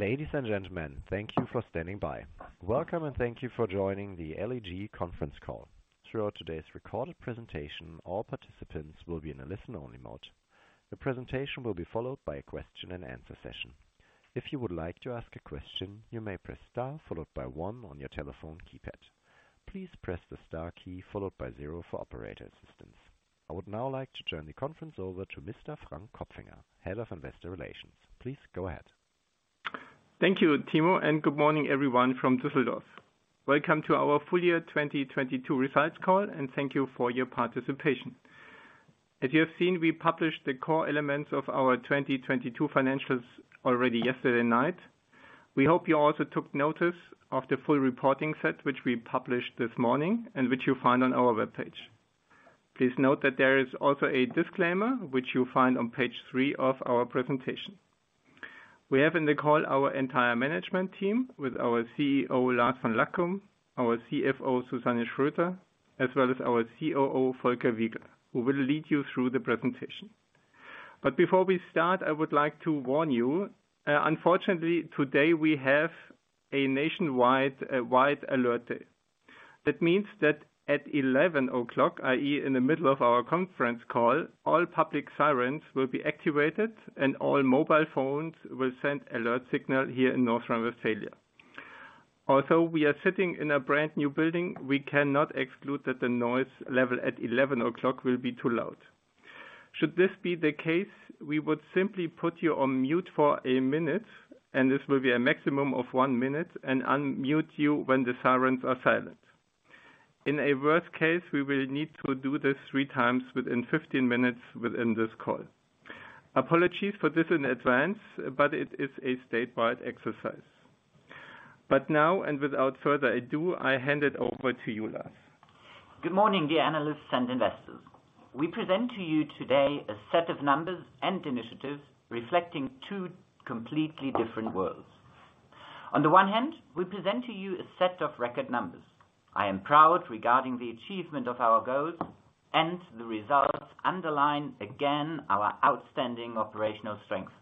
Ladies and gentlemen, thank you for standing by. Welcome and thank you for joining the LEG conference call. Throughout today's recorded presentation, all participants will be in a listen-only mode. The presentation will be followed by a question and answer session. If you would like to ask a question, you may press star followed by 1 on your telephone keypad. Please press the star key followed by 0 for operator assistance. I would now like to turn the conference over to Mr. Frank Kopfinger, Head of Investor Relations. Please go ahead. Thank you, Timo. Good morning, everyone, from Düsseldorf. Welcome to our full year 2022 results call, and thank you for your participation. As you have seen, we published the core elements of our 2022 financials already yesterday night. We hope you also took notice of the full reporting set, which we published this morning and which you'll find on our webpage. Please note that there is also a disclaimer, which you'll find on page 3 of our presentation. We have in the call our entire management team with our CEO, Lars von Lackum, our CFO, Susanne Schröter, as well as our COO, Volker Wiegel, who will lead you through the presentation. Before we start, I would like to warn you, unfortunately, today we have a nationwide alert day. That means that at 11:00 A.M. i.e., in the middle of our conference call, all public sirens will be activated and all mobile phones will send alert signal here in North Rhine-Westphalia. We are sitting in a brand-new building. We cannot exclude that the noise level at 11:00 A.M. will be too loud. Should this be the case, we would simply put you on mute for 1 minute, and this will be a maximum of 1 minute, and unmute you when the sirens are silent. In a worst case, we will need to do this 3 times within 15 minutes within this call. Apologies for this in advance. It is a statewide exercise. Without further ado, I hand it over to you, Lars. Good morning, dear analysts and investors. We present to you today a set of numbers and initiatives reflecting two completely different worlds. On the one hand, we present to you a set of record numbers. I am proud regarding the achievement of our goals and the results underline, again, our outstanding operational strength.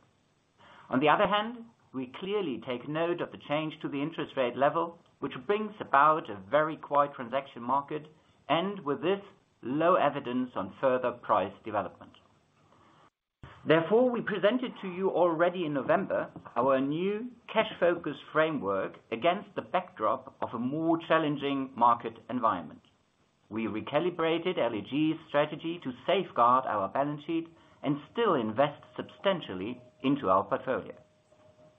We clearly take note of the change to the interest rate level, which brings about a very quiet transaction market and with this, low evidence on further price development. We presented to you already in November our new cash focus framework against the backdrop of a more challenging market environment. We recalibrated LEG's strategy to safeguard our balance sheet and still invest substantially into our portfolio.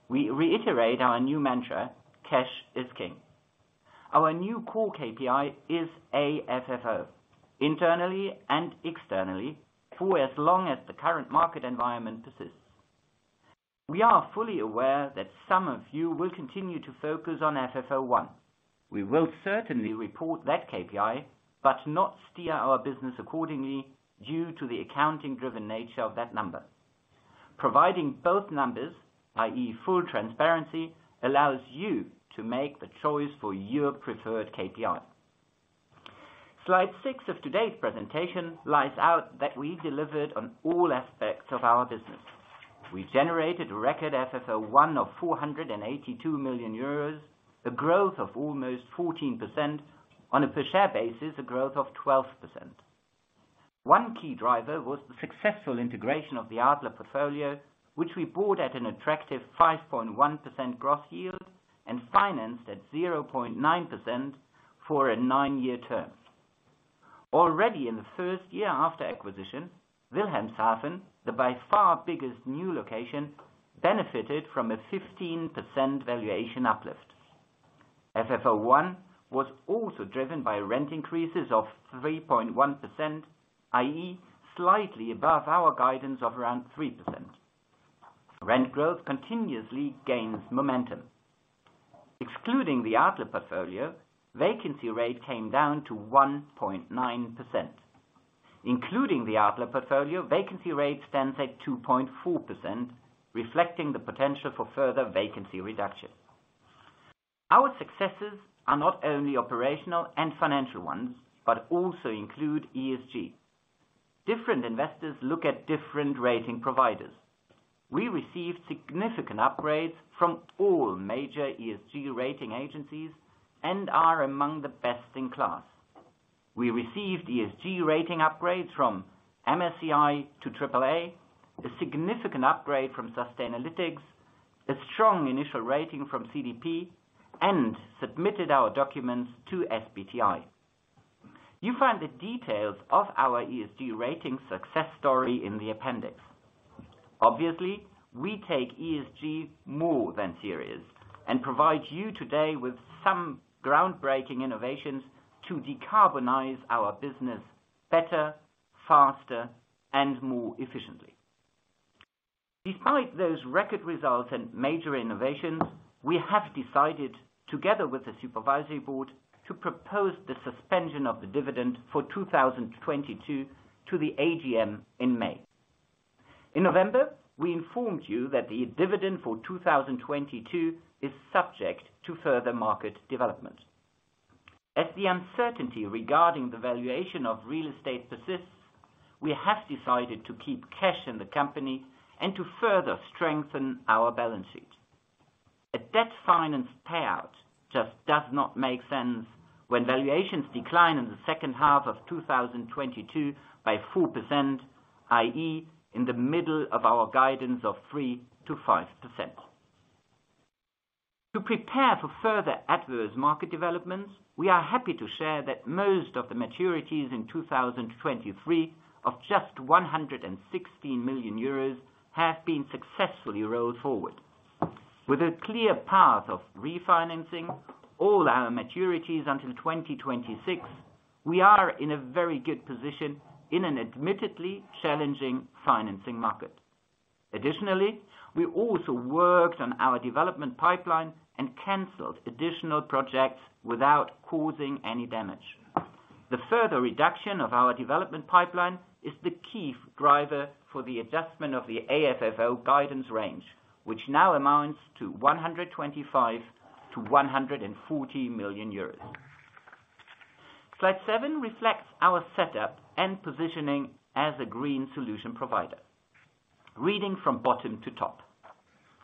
We reiterate our new mantra: Cash is King. Our new core KPI is AFFO, internally and externally, for as long as the current market environment persists. We are fully aware that some of you will continue to focus on FFO I. We will certainly report that KPI, but not steer our business accordingly due to the accounting-driven nature of that number. Providing both numbers, i.e., full transparency, allows you to make the choice for your preferred KPI. Slide 6 of today's presentation lays out that we delivered on all aspects of our business. We generated record FFO I of 482 million euros, a growth of almost 14%. On a per-share basis, a growth of 12%. One key driver was the successful integration of the Adler portfolio, which we bought at an attractive 5.1% gross yield and financed at 0.9% for a 9-year term. Already in the first year after acquisition, Wilhelmshaven, the by far biggest new location, benefited from a 15% valuation uplift. FFO I was also driven by rent increases of 3.1%, i.e., slightly above our guidance of around 3%. Rent growth continuously gains momentum. Excluding the Adler portfolio, vacancy rate came down to 1.9%. Including the Adler portfolio, vacancy rate stands at 2.4%, reflecting the potential for further vacancy reduction. Our successes are not only operational and financial ones, but also include ESG. Different investors look at different rating providers. We received significant upgrades from all major ESG rating agencies and are among the best in class. We received ESG rating upgrades from MSCI to AAA, a significant upgrade from Sustainalytics, a strong initial rating from CDP, and submitted our documents to SBTi. You find the details of our ESG rating success story in the appendix. we take ESG more than serious and provide you today with some groundbreaking innovations to decarbonize our business better, faster, and more efficiently. Despite those record results and major innovations, we have decided, together with the supervisory board, to propose the suspension of the dividend for 2022 to the AGM in May. In November, we informed you that the dividend for 2022 is subject to further market development. The uncertainty regarding the valuation of real estate persists, we have decided to keep cash in the company and to further strengthen our balance sheet. A debt finance payout just does not make sense when valuations decline in the second half of 2022 by 4%, i.e., in the middle of our guidance of 3%-5%. To prepare for further adverse market developments, we are happy to share that most of the maturities in 2023 of just 116 million euros have been successfully rolled forward. With a clear path of refinancing all our maturities until 2026, we are in a very good position in an admittedly challenging financing market. We also worked on our development pipeline and canceled additional projects without causing any damage. The further reduction of our development pipeline is the key driver for the adjustment of the AFFO guidance range, which now amounts to 125 million-140 million euros. Slide 7 reflects our setup and positioning as a green solution provider. Reading from bottom to top,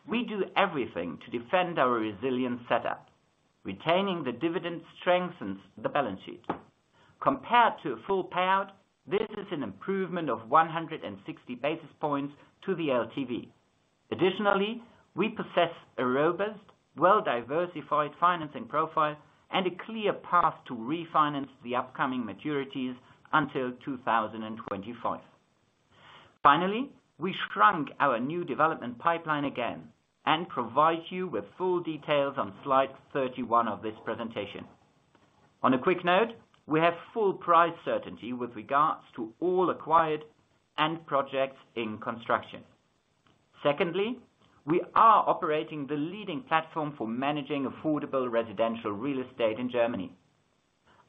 we do everything to defend our resilient setup. Retaining the dividend strengthens the balance sheet. Compared to a full payout, this is an improvement of 160 basis points to the LTV. We possess a robust, well-diversified financing profile and a clear path to refinance the upcoming maturities until 2025. We shrunk our new development pipeline again and provided you with full details on slide 31 of this presentation. On a quick note, we have full price certainty with regard to all acquired end projects in construction. We are operating the leading platform for managing affordable residential real estate in Germany.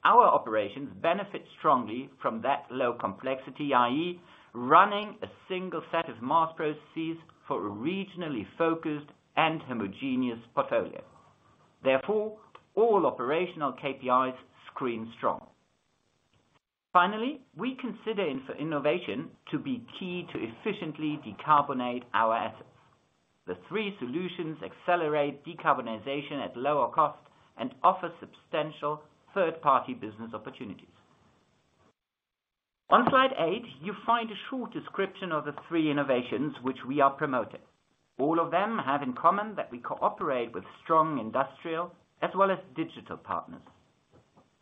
Our operations benefit strongly from that low complexity, i.e., running a single set of mass processes for a regionally focused and homogeneous portfolio. All operational KPIs screen strong. We consider innovation to be key to efficiently decarbonate our assets. The three solutions accelerate decarbonization at lower cost and offer substantial third-party business opportunities. On slide 8, you find a short description of the three innovations which we are promoting. All of them have in common that we cooperate with strong industrial as well as digital partners.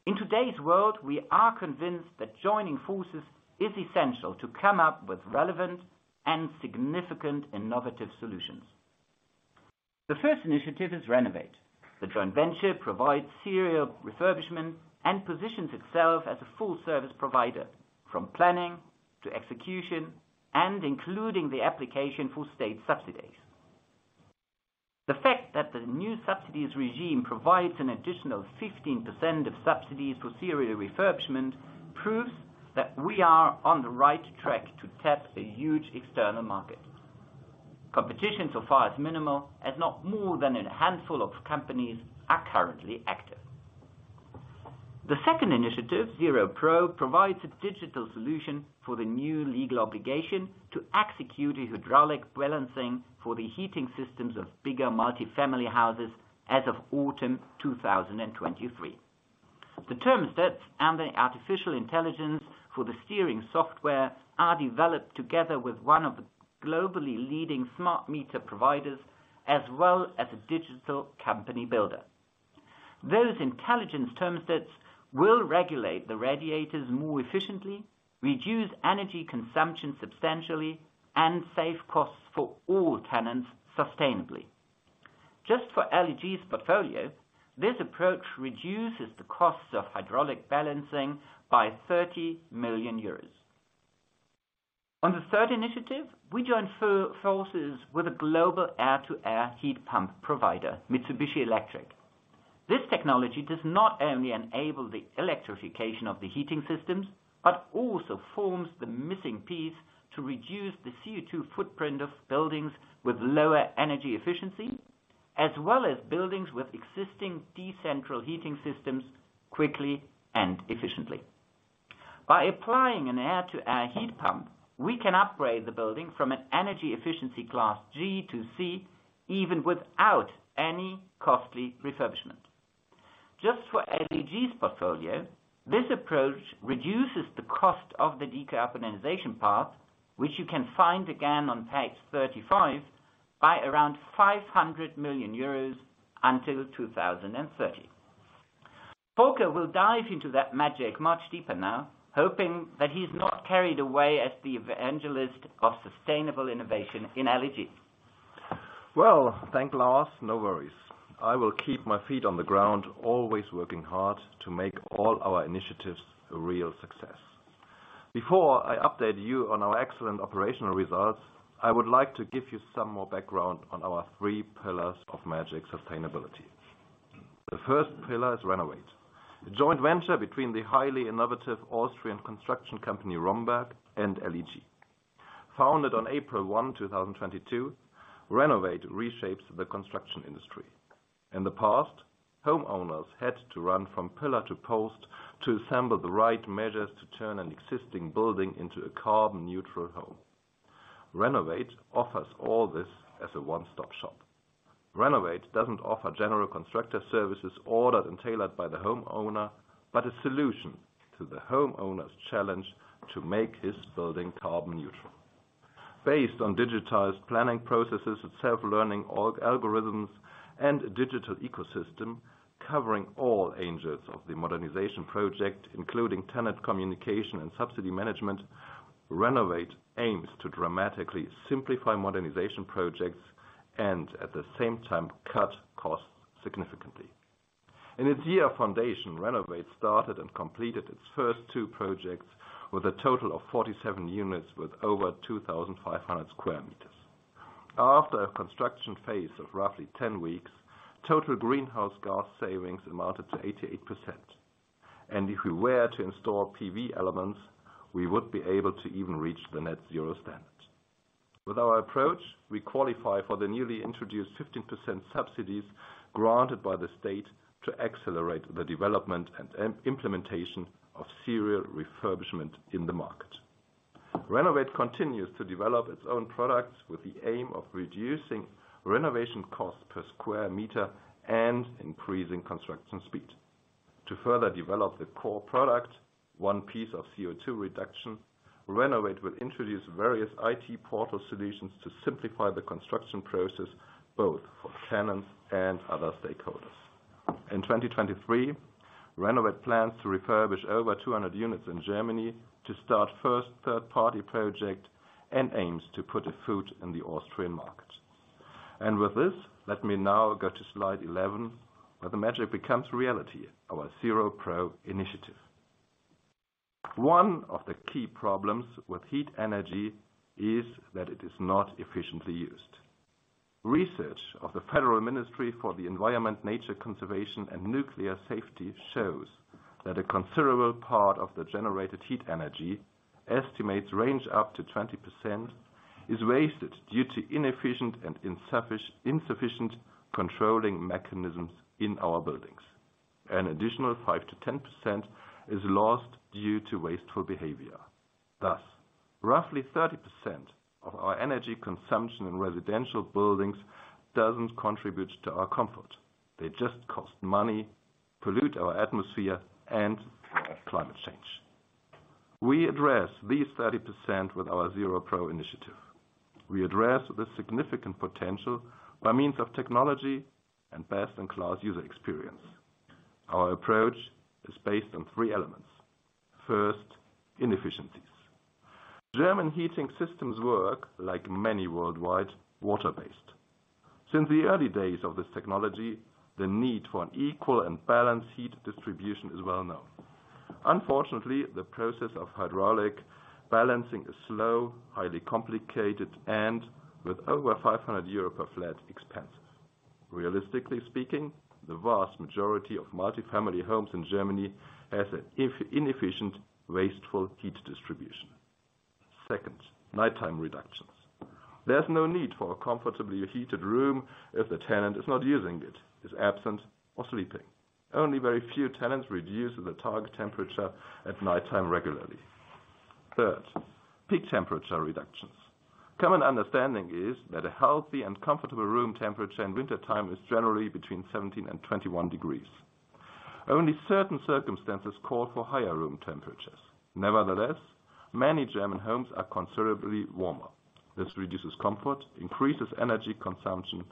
In today's world, we are convinced that joining forces is essential to come up with relevant and significant innovative solutions. The first initiative is RENOWATE. The joint venture provides serial refurbishment and positions itself as a full service provider from planning to execution and including the application for state subsidies. The fact that the new subsidies regime provides an additional 15% of subsidies for serial refurbishment proves that we are on the right track to tap a huge external market. Competition so far is minimal as not more than a handful of companies are currently active. The second initiative, ZeroPro, provides a digital solution for the new legal obligation to execute a hydraulic balancing for the heating systems of bigger multi-family houses as of autumn 2023. The thermostats and the artificial intelligence for the steering software are developed together with one of the globally leading smart meter providers as well as a digital company builder. Those intelligence thermostats will regulate the radiators more efficiently, reduce energy consumption substantially, and save costs for all tenants sustainably. Just for LEG's portfolio, this approach reduces the costs of hydraulic balancing by 30 million euros. On the third initiative, we joined forces with a global air-to-air heat pump provider, Mitsubishi Electric. This technology does not only enable the electrification of the heating systems, but also forms the missing piece to reduce the CO2 footprint of buildings with lower energy efficiency, as well as buildings with existing decentral heating systems quickly and efficiently. By applying an air-to-air heat pump, we can upgrade the building from an energy efficiency class G to C, even without any costly refurbishment. Just for LEG's portfolio, this approach reduces the cost of the decarbonization path, which you can find again on page 35, by around 500 million euros until 2030. Volker will dive into that magic much deeper now, hoping that he's not carried away as the evangelist of sustainable innovation in LEG. Thank Lars. No worries. I will keep my feet on the ground, always working hard to make all our initiatives a real success. Before I update you on our excellent operational results, I would like to give you some more background on our three pillars of magic sustainability. The first pillar is RENOWATE, a joint venture between the highly innovative Austrian construction company Rhomberg Bau and LEG. Founded on April 1, 2022, RENOWATE reshapes the construction industry. In the past, homeowners had to run from pillar to post to assemble the right measures to turn an existing building into a carbon neutral home. RENOWATE offers all this as a one-stop shop. RENOWATE doesn't offer general constructor services ordered and tailored by the homeowner, but a solution to the homeowner's challenge to make his building carbon neutral. Based on digitized planning processes and self-learning algorithms and a digital ecosystem covering all angles of the modernization project, including tenant communication and subsidy management, RENOWATE aims to dramatically simplify modernization projects and at the same time, cut costs significantly. In its year of foundation, RENOWATE started and completed its first 2 projects with a total of 47 units with over 2,500 square meters. After a construction phase of roughly 10 weeks, total greenhouse gas savings amounted to 88%. If we were to install PV elements, we would be able to even reach the net-zero standard. With our approach, we qualify for the newly introduced 15% subsidies granted by the state to accelerate the development and implementation of serial refurbishment in the market. RENOWATE continues to develop its own products with the aim of reducing renovation costs per square meter and increasing construction speed. To further develop the core product, one piece of CO₂ reduction, RENOWATE will introduce various IT portal solutions to simplify the construction process both for tenants and other stakeholders. In 2023, RENOWATE plans to refurbish over 200 units in Germany to start first third-party project and aims to put a foot in the Austrian market. With this, let me now go to slide 11, where the magic becomes reality, our ZeroPro initiative. One of the key problems with heat energy is that it is not efficiently used. Research of the Federal Ministry for the Environment, Nature Conservation and Nuclear Safety shows that a considerable part of the generated heat energy, estimates range up to 20%, is wasted due to inefficient and insufficient controlling mechanisms in our buildings. An additional 5%-10% is lost due to wasteful behavior. Roughly 30% of our energy consumption in residential buildings doesn't contribute to our comfort. They just cost money, pollute our atmosphere and climate change. We address these 30% with our ZeroPro initiative. We address the significant potential by means of technology and best-in-class user experience. Our approach is based on three elements. First, inefficiencies. German heating systems work, like many worldwide, water-based. Since the early days of this technology, the need for an equal and balanced heat distribution is well known. Unfortunately, the process of hydraulic balancing is slow, highly complicated, and with over 500 euro per flat expensive. Realistically speaking, the vast majority of multi-family homes in Germany has an inefficient, wasteful heat distribution. Second, nighttime reductions. There's no need for a comfortably heated room if the tenant is not using it, is absent, or sleeping. Only very few tenants reduce the target temperature at nighttime regularly. Third, peak temperature reductions. Common understanding is that a healthy and comfortable room temperature in wintertime is generally between 17 and 21 degrees. Only certain circumstances call for higher room temperatures. Nevertheless, many German homes are considerably warmer. This reduces comfort, increases energy consumption,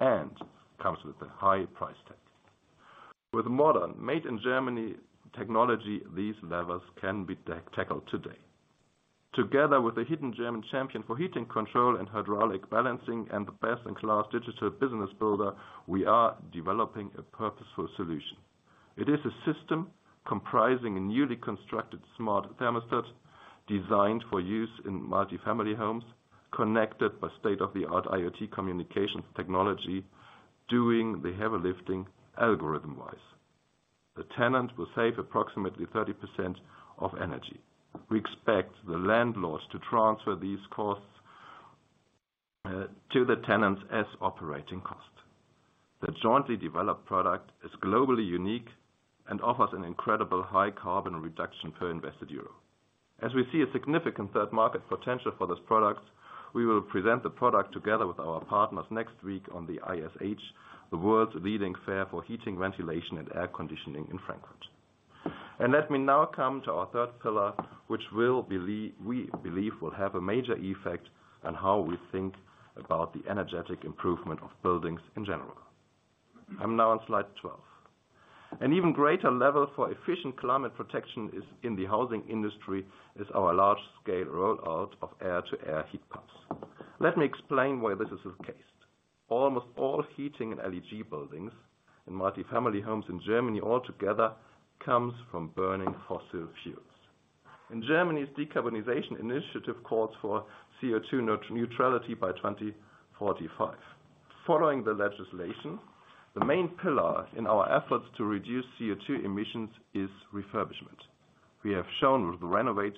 and comes with a high price tag. With modern made in Germany technology, these levels can be tackled today. Together with a hidden German champion for heating control and hydraulic balancing and the best-in-class digital business builder, we are developing a purposeful solution. It is a system comprising a newly constructed smart thermostat designed for use in multi-family homes, connected by state-of-the-art IoT communications technology, doing the heavy lifting algorithm-wise. The tenant will save approximately 30% of energy. We expect the landlords to transfer these costs to the tenants as operating costs. The jointly developed product is globally unique and offers an incredible high carbon reduction per invested EUR. As we see a significant third market potential for this product, we will present the product together with our partners next week on the ISH, the world's leading fair for heating, ventilation, and air conditioning in Frankfurt. Let me now come to our third pillar, which we believe will have a major effect on how we think about the energetic improvement of buildings in general. I'm now on slide 12. An even greater level for efficient climate protection in the housing industry is our large-scale rollout of air-to-air heat pumps. Let me explain why this is the case. Almost all heating in LEG buildings and multi-family homes in Germany altogether comes from burning fossil fuels. Germany's decarbonization initiative calls for CO₂ neutrality by 2045. Following the legislation, the main pillar in our efforts to reduce CO₂ emissions is refurbishment. We have shown with the RENOWATE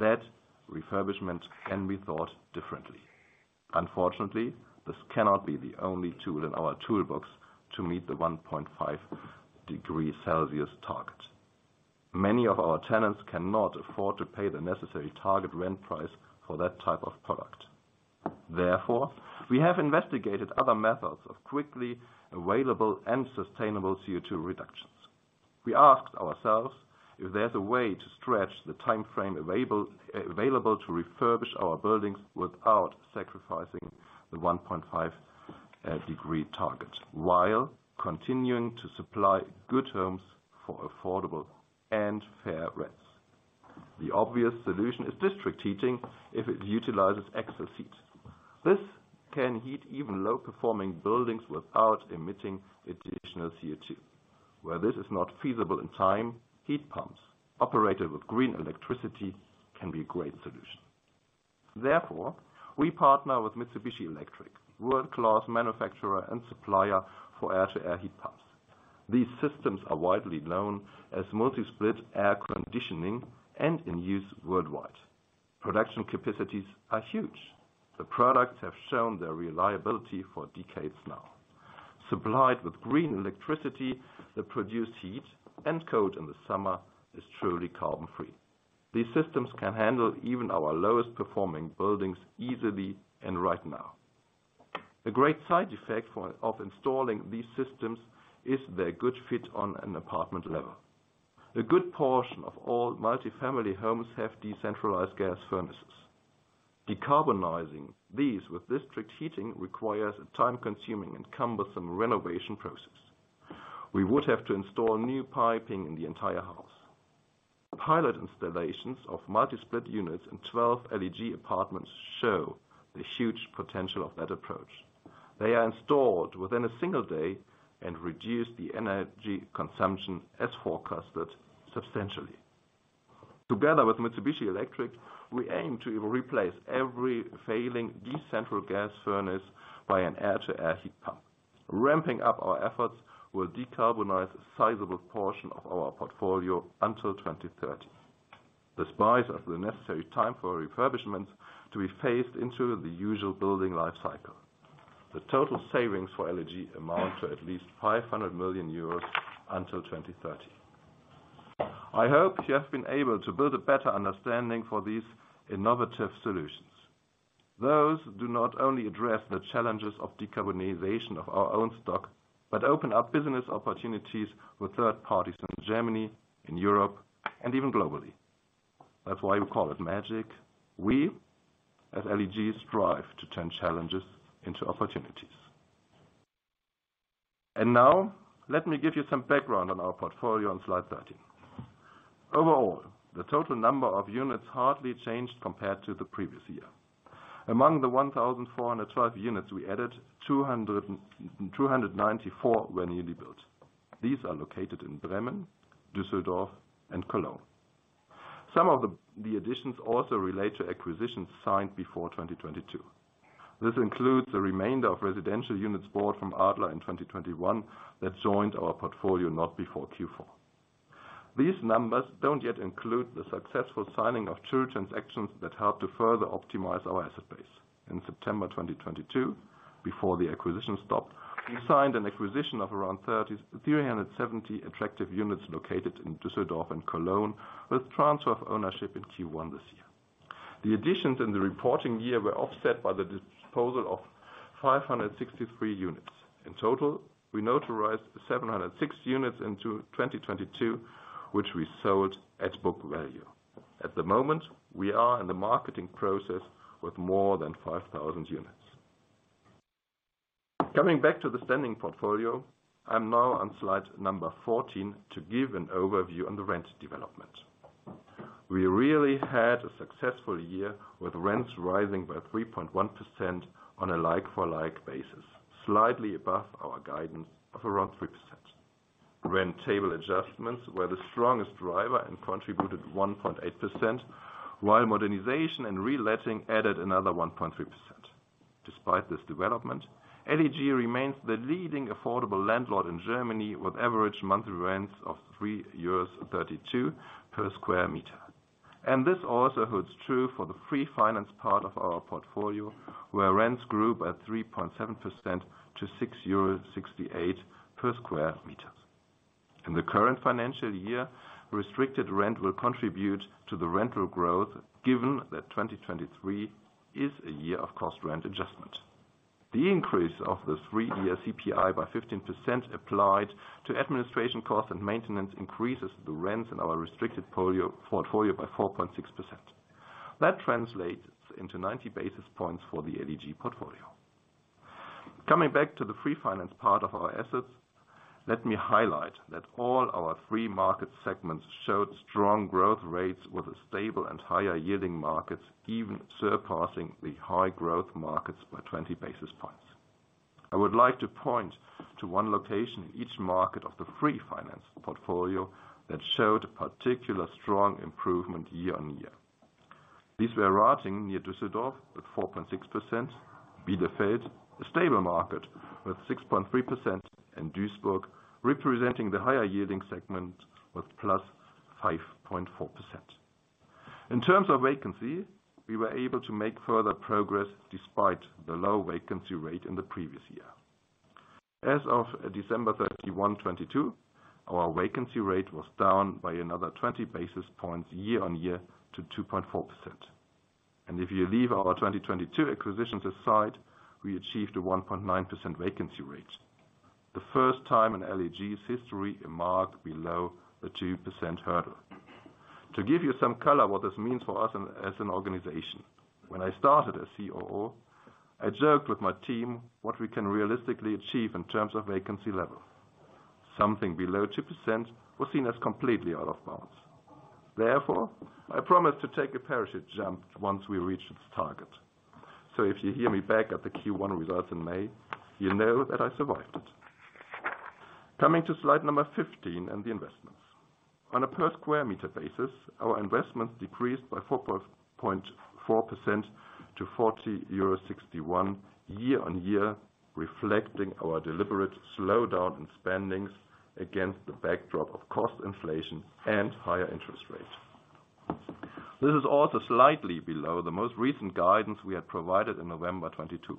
that refurbishment can be thought of differently. Unfortunately, this cannot be the only tool in our toolbox to meet the 1.5 degrees Celsius target. Many of our tenants cannot afford to pay the necessary target rent price for that type of product. Therefore, we have investigated other methods of quickly available and sustainable CO₂ reductions. We asked ourselves if there's a way to stretch the timeframe available to refurbish our buildings without sacrificing the 1.5 degree target, while continuing to supply good homes for affordable and fair rents. The obvious solution is district heating if it utilizes excess heat. This can heat even l buildings without emitting additional CO₂. Where this is not feasible in time, heat pumps operated with green electricity can be a great solution. Therefore, we partner with Mitsubishi Electric, world-class manufacturer and supplier for air-to-air heat pumps. These systems are widely known as multi-split air conditioning and in use worldwide. Production capacities are huge. The products have shown their reliability for decades now. Supplied with green electricity that produce heat and cold in the summer is truly carbon-free. These systems can handle even our lowest performing buildings easily and right now. A great side effect of installing these systems is their good fit on an apartment level. A good portion of all multi-family homes have decentralized gas furnaces. Decarbonizing these with district heating requires a time-consuming and cumbersome renovation process. We would have to install new piping in the entire house. Pilot installations of multi-split units in 12 LEG apartments show the huge potential of that approach. They are installed within a single day and reduce the energy consumption as forecasted substantially. Together with Mitsubishi Electric, we aim to replace every failing decentral gas furnace by an air-to-air heat pump. Ramping up our efforts will decarbonize a sizable portion of our portfolio until 2030. This buys us the necessary time for refurbishment to be phased into the usual building life cycle. The total savings for LEG amount to at least 500 million euros until 2030. I hope you have been able to build a better understanding for these innovative solutions. Those do not only address the challenges of decarbonization of our own stock, but open up business opportunities with third parties in Germany, in Europe, and even globally. That's why we call it magic. We at LEG strive to turn challenges into opportunities. Now, let me give you some background on our portfolio on slide 13. Overall, the total number of units hardly changed compared to the previous year. Among the 1,412 units we added, 294 were newly built. These are located in Bremen, Düsseldorf, and Cologne. Some of the additions also relate to acquisitions signed before 2022. This includes the remainder of residential units bought from Adler in 2021 that joined our portfolio not before Q4. These numbers don't yet include the successful signing of two transactions that help to further optimize our asset base. In September 2022, before the acquisition stopped, we signed an acquisition of around 3,370 attractive units located in Düsseldorf and Cologne, with transfer of ownership in Q1 this year. The additions in the reporting year were offset by the disposal of 563 units. In total, we notarized 706 units into 2022, which we sold at book value. At the moment, we are in the marketing process with more than 5,000 units. Coming back to the standing portfolio, I'm now on slide number 14 to give an overview on the rent development. We really had a successful year with rents rising by 3.1% on a like-for-like basis, slightly above our guidance of around 3%. Rent table adjustments were the strongest driver and contributed 1.8%, while modernization and reletting added another 1.3%. Despite this development, LEG remains the leading affordable landlord in Germany with average monthly rents of 3.32 euros per square meter. This also holds true for the free finance part of our portfolio, where rents grew by 3.7% to EUR 6.68 per square meter. In the current financial year, restricted rent will contribute to the rental growth given that 2023 is a year of cost rent adjustment. The increase of the three-year CPI by 15% applied to administration costs and maintenance increases the rents in our restricted portfolio by 4.6%. That translates into 90 basis points for the LEG portfolio. Coming back to the free finance part of our assets, let me highlight that all our free market segments showed strong growth rates with a stable and higher yielding markets even surpassing the high growth markets by 20 basis points. I would like to point to one location in each market of the free finance portfolio that showed a particular strong improvement year-on-year. These were Ratingen near Düsseldorf with 4.6%. Bielefeld, a stable market with 6.3% in Duisburg, representing the higher yielding segment with +5.4%. In terms of vacancy, we were able to make further progress despite the low vacancy rate in the previous year. As of December 31, 2022, our vacancy rate was down by another 20 basis points year-on-year to 2.4%. If you leave our 2022 acquisitions aside, we achieved a 1.9% vacancy rate. The first time in LEG's history a mark below the 2% hurdle. To give you some color what this means for us as an organization. When I started as COO, I joked with my team what we can realistically achieve in terms of vacancy level. Something below 2% was seen as completely out of bounds. Therefore, I promised to take a parachute jump once we reach this target. If you hear me back at the Q1 results in May, you know that I survived it. Coming to slide number 15 and the investments. On a per square meter basis, our investments decreased by 4.4% to 40.61 euro year-on-year, reflecting our deliberate slowdown in spending against the backdrop of cost inflation and higher interest rates. This is also slightly below the most recent guidance we had provided in November 2022.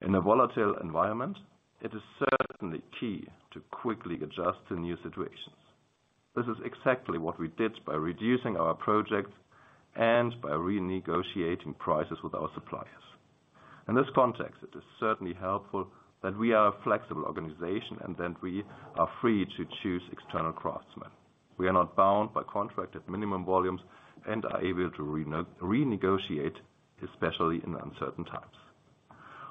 In a volatile environment, it is certainly key to quickly adjust to new situations. This is exactly what we did by reducing our projects and by renegotiating prices with our suppliers. In this context, it is certainly helpful that we are a flexible organization and that we are free to choose external craftsmen. We are not bound by contract at minimum volumes and are able to renegotiate, especially in uncertain times.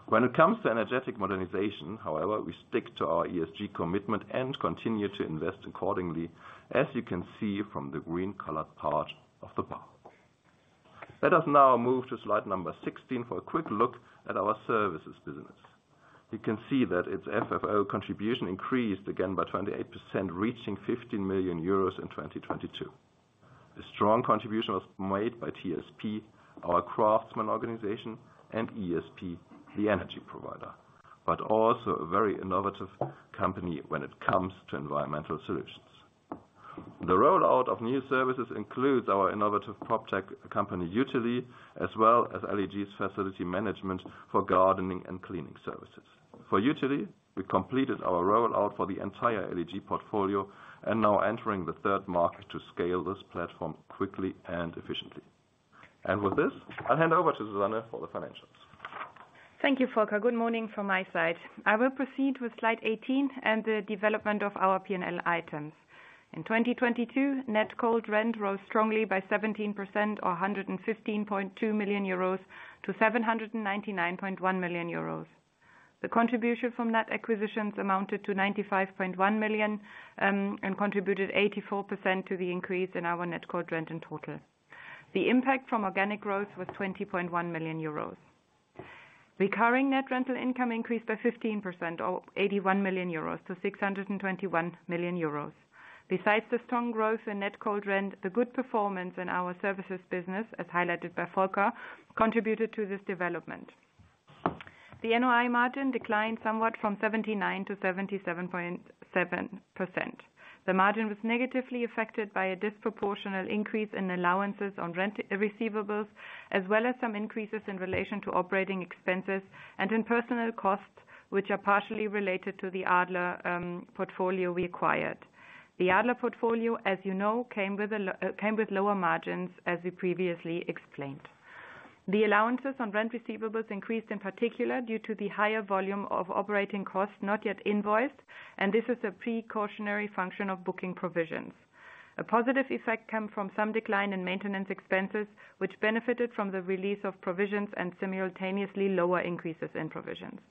When it comes to energetic modernization, however, we stick to our ESG commitment and continue to invest accordingly, as you can see from the green colored part of the bar. Let us now move to slide number 16 for a quick look at our services business. You can see that its FFO contribution increased again by 28%, reaching 15 million euros in 2022. A strong contribution was made by TSP, our craftsman organization, and ESP, the energy provider. Also a very innovative company when it comes to environmental solutions. The rollout of new services includes our innovative PropTech company, Youtilly, as well as LEG's facility management for gardening and cleaning services. For Youtilly, we completed our rollout for the entire LEG portfolio and now entering the third market to scale this platform quickly and efficiently. With this, I'll hand over to Susanne for the financials. Thank you, Volker. Good morning from my side. I will proceed with slide 18 and the development of our P&L items. In 2022, net cold rent rose strongly by 17% or 115.2 million euros to 799.1 million euros. The contribution from net acquisitions amounted to 95.1 million and contributed 84% to the increase in our net cold rent in total. The impact from organic growth was 20.1 million euros. Recurring net rental income increased by 15%, or 81 million euros, to 621 million euros. Besides the strong growth in net cold rent, the good performance in our services business, as highlighted by Volker, contributed to this development. The NOI margin declined somewhat from 79% to 77.7%. The margin was negatively affected by a disproportional increase in allowances on rent receivables, as well as some increases in relation to operating expenses and in personal costs, which are partially related to the Adler portfolio we acquired. The Adler portfolio, as came with lower margins, as we previously explained. The allowances on rent receivables increased in particular due to the higher volume of operating costs not yet invoiced. This is a precautionary function of booking provisions. A positive effect came from some decline in maintenance expenses, which benefited from the release of provisions and simultaneously lower increases in provisions.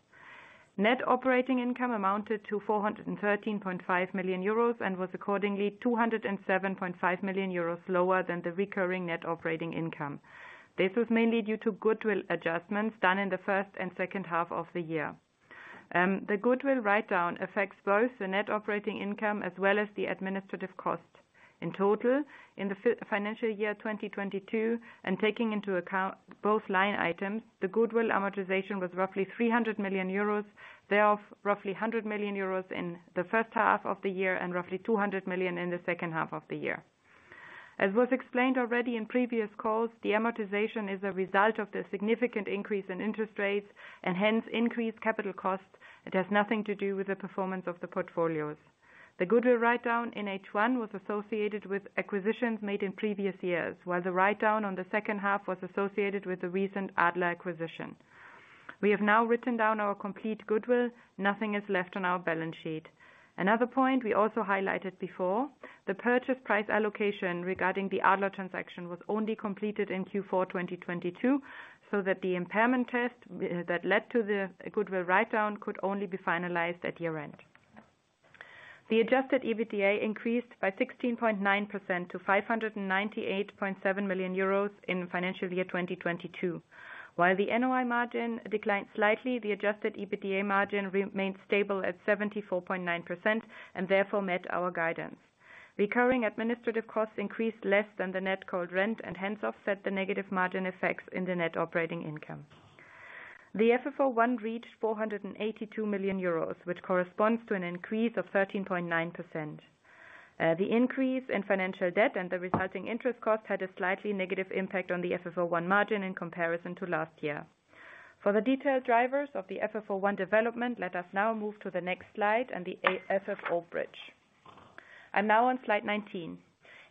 Net Operating Income amounted to 413.5 million euros and was accordingly 207.5 million euros lower than the recurring Net Operating Income. This was mainly due to goodwill adjustments done in the first and second half of the year. The goodwill write-down affects both the net operating income as well as the administrative cost. In total, in the financial year 2022, taking into account both line items, the goodwill amortization was roughly 300 million euros. Thereof, roughly 100 million euros in the first half of the year and roughly 200 million in the second half of the year. As was explained already in previous calls, the amortization is a result of the significant increase in interest rates and hence increased capital costs. It has nothing to do with the performance of the portfolios. The goodwill write-down in H1 was associated with acquisitions made in previous years, while the write-down on the second half was associated with the recent Adler acquisition. We have now written down our complete goodwill. Nothing is left on our balance sheet. Another point we also highlighted before, the purchase price allocation regarding the Adler transaction was only completed in Q4 2022, so that the impairment test that led to the goodwill write-down could only be finalized at year-end. The adjusted EBITDA increased by 16.9% to 598.7 million euros in financial year 2022. While the NOI margin declined slightly, the adjusted EBITDA margin remained stable at 74.9% and therefore met our guidance. Recurring administrative costs increased less than the net cold rent and hence offset the negative margin effects in the net operating income. The FFO I reached 482 million euros, which corresponds to an increase of 13.9%. The increase in financial debt and the resulting interest cost had a slightly negative impact on the FFO I margin in comparison to last year. For the detailed drivers of the FFO I development, let us now move to the next slide and the AFFO bridge. I'm now on slide 19.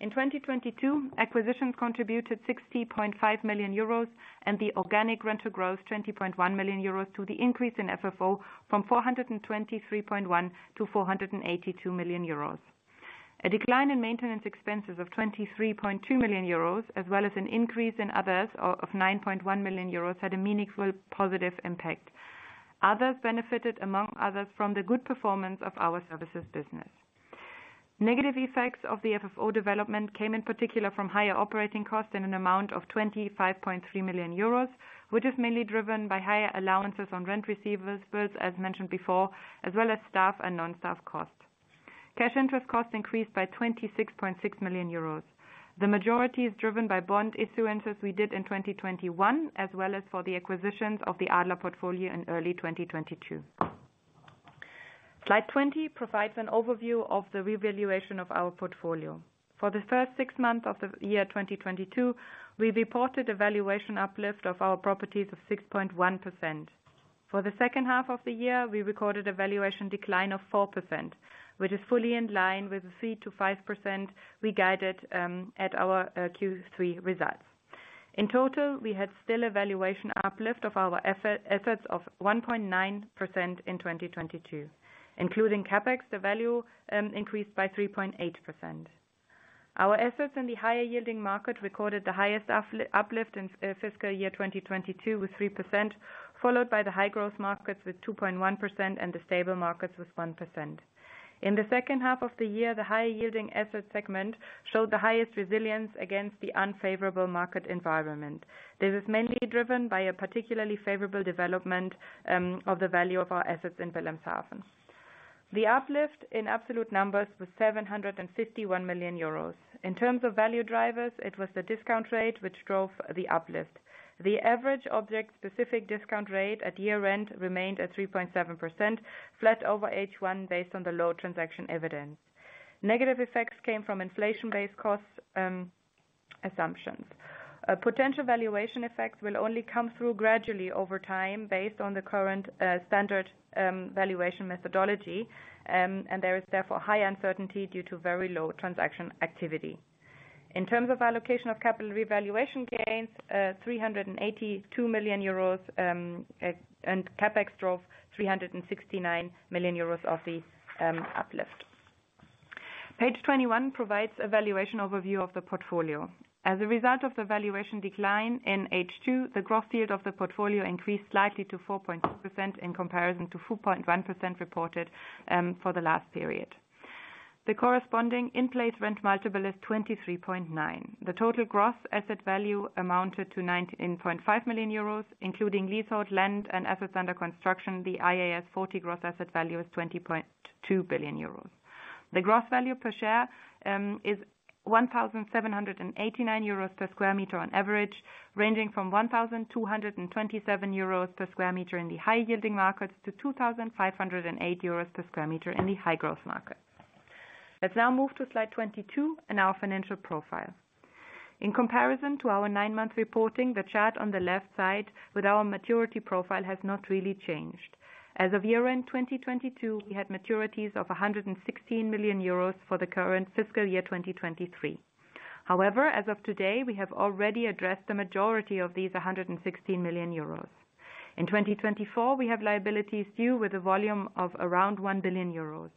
In 2022, acquisitions contributed 60.5 million euros and the organic rental growth, 20.1 million euros to the increase in FFO from 423.1 million to 482 million euros. A decline in maintenance expenses of 23.2 million euros, as well as an increase in others of 9.1 million euros, had a meaningful positive impact. Others benefited, among others, from the good performance of our services business. Negative effects of the FFO development came in particular from higher operating costs in an amount of 25.3 million euros, which is mainly driven by higher allowances on rent receivables, as mentioned before, as well as staff and non-staff costs. Cash interest costs increased by 26.6 million euros. The majority is driven by bond issuances we did in 2021, as well as for the acquisitions of the Adler portfolio in early 2022. Slide 20 provides an overview of the revaluation of our portfolio. For the first six months of the year 2022, we reported a valuation uplift of our properties of 6.1%. For the second half of the year, we recorded a valuation decline of 4%, which is fully in line with the 3%-5% we guided at our Q3 results. In total, we had still a valuation uplift of our assets of 1.9% in 2022. Including CapEx, the value increased by 3.8%. Our assets in the higher yielding market recorded the highest uplift in fiscal year 2022 with 3%, followed by the high growth markets with 2.1% and the stable markets with 1%. In the second half of the year, the higher yielding asset segment showed the highest resilience against the unfavorable market environment. This is mainly driven by a particularly favorable development of the value of our assets in Wilhelmshaven. The uplift in absolute numbers was 751 million euros. In terms of value drivers, it was the discount rate which drove the uplift. The average object specific discount rate at year-end remained at 3.7%, flat over H1 based on the low transaction evidence. Negative effects came from inflation-based costs, assumptions. Potential valuation effects will only come through gradually over time based on the current standard valuation methodology, there is therefore high uncertainty due to very low transaction activity. In terms of allocation of capital revaluation gains, 382 million euros and CapEx drove 369 million euros of the uplift. Page 21 provides a valuation overview of the portfolio. As a result of the valuation decline in H2, the growth yield of the portfolio increased slightly to 4.2% in comparison to 4.1% reported for the last period. The corresponding in-place rent multiple is 23.9x. The total gross asset value amounted to 19.5 million euros, including leased hold land and assets under construction, the IAS 40 gross asset value is 20.2 billion euros. The gross value per share is 1,789 euros per square meter on average, ranging from 1,227 euros per square meter in the high yielding markets to 2,508 euros per square meter in the high growth market. Let's now move to slide 22 and our financial profile. In comparison to our 9-month reporting, the chart on the left side with our maturity profile has not really changed. As of year-end 2022, we had maturities of 116 million euros for the current fiscal year, 2023. However, as of today, we have already addressed the majority of these 116 million euros. In 2024, we have liabilities due with a volume of around 1 billion euros.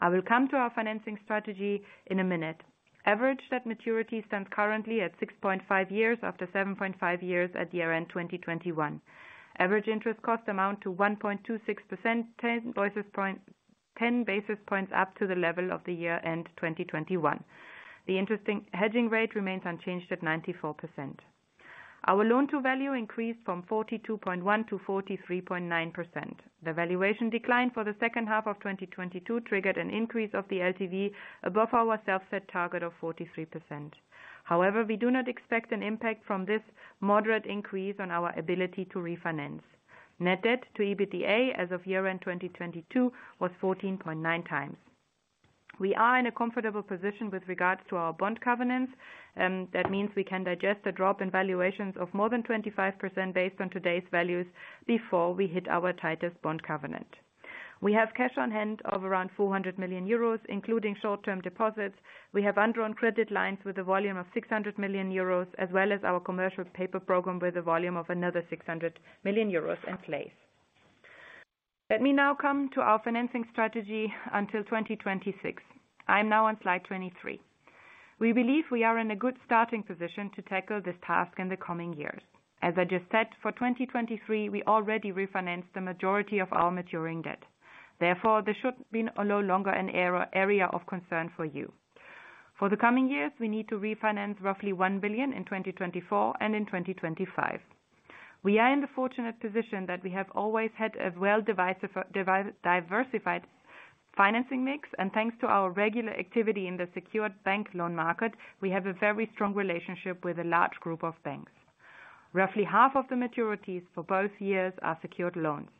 I will come to our financing strategy in a minute. That maturity stands currently at 6.5 years after 7.5 years at year-end 2021. Average interest costs amount to 1.26%, 10 basis points up to the level of the year-end 2021. The interest hedging rate remains unchanged at 94%. Our loan to value increased from 42.1 to 43.9%. The valuation decline for the second half of 2022 triggered an increase of the LTV above our self-set target of 43%. However, we do not expect an impact from this moderate increase on our ability to refinance. Net debt to EBITDA as of year-end 2022 was 14.9 times. We are in a comfortable position with regards to our bond covenants, that means we can digest a drop in valuations of more than 25% based on today's values before we hit our tightest bond covenant. We have cash on hand of around 400 million euros, including short-term deposits. We have undrawn credit lines with a volume of 600 million euros, as well as our commercial paper program with a volume of another 600 million euros in place. Let me now come to our financing strategy until 2026. I'm now on slide 23. We believe we are in a good starting position to tackle this task in the coming years. As I just said, for 2023, we already refinanced the majority of our maturing debt. Therefore, this should be no longer an area of concern for you. For the coming years, we need to refinance roughly 1 billion in 2024 and in 2025. We are in the fortunate position that we have always had a well diversified financing mix and thanks to our regular activity in the secured bank loan market, we have a very strong relationship with a large group of banks. Roughly half of the maturities for both years are secured loans.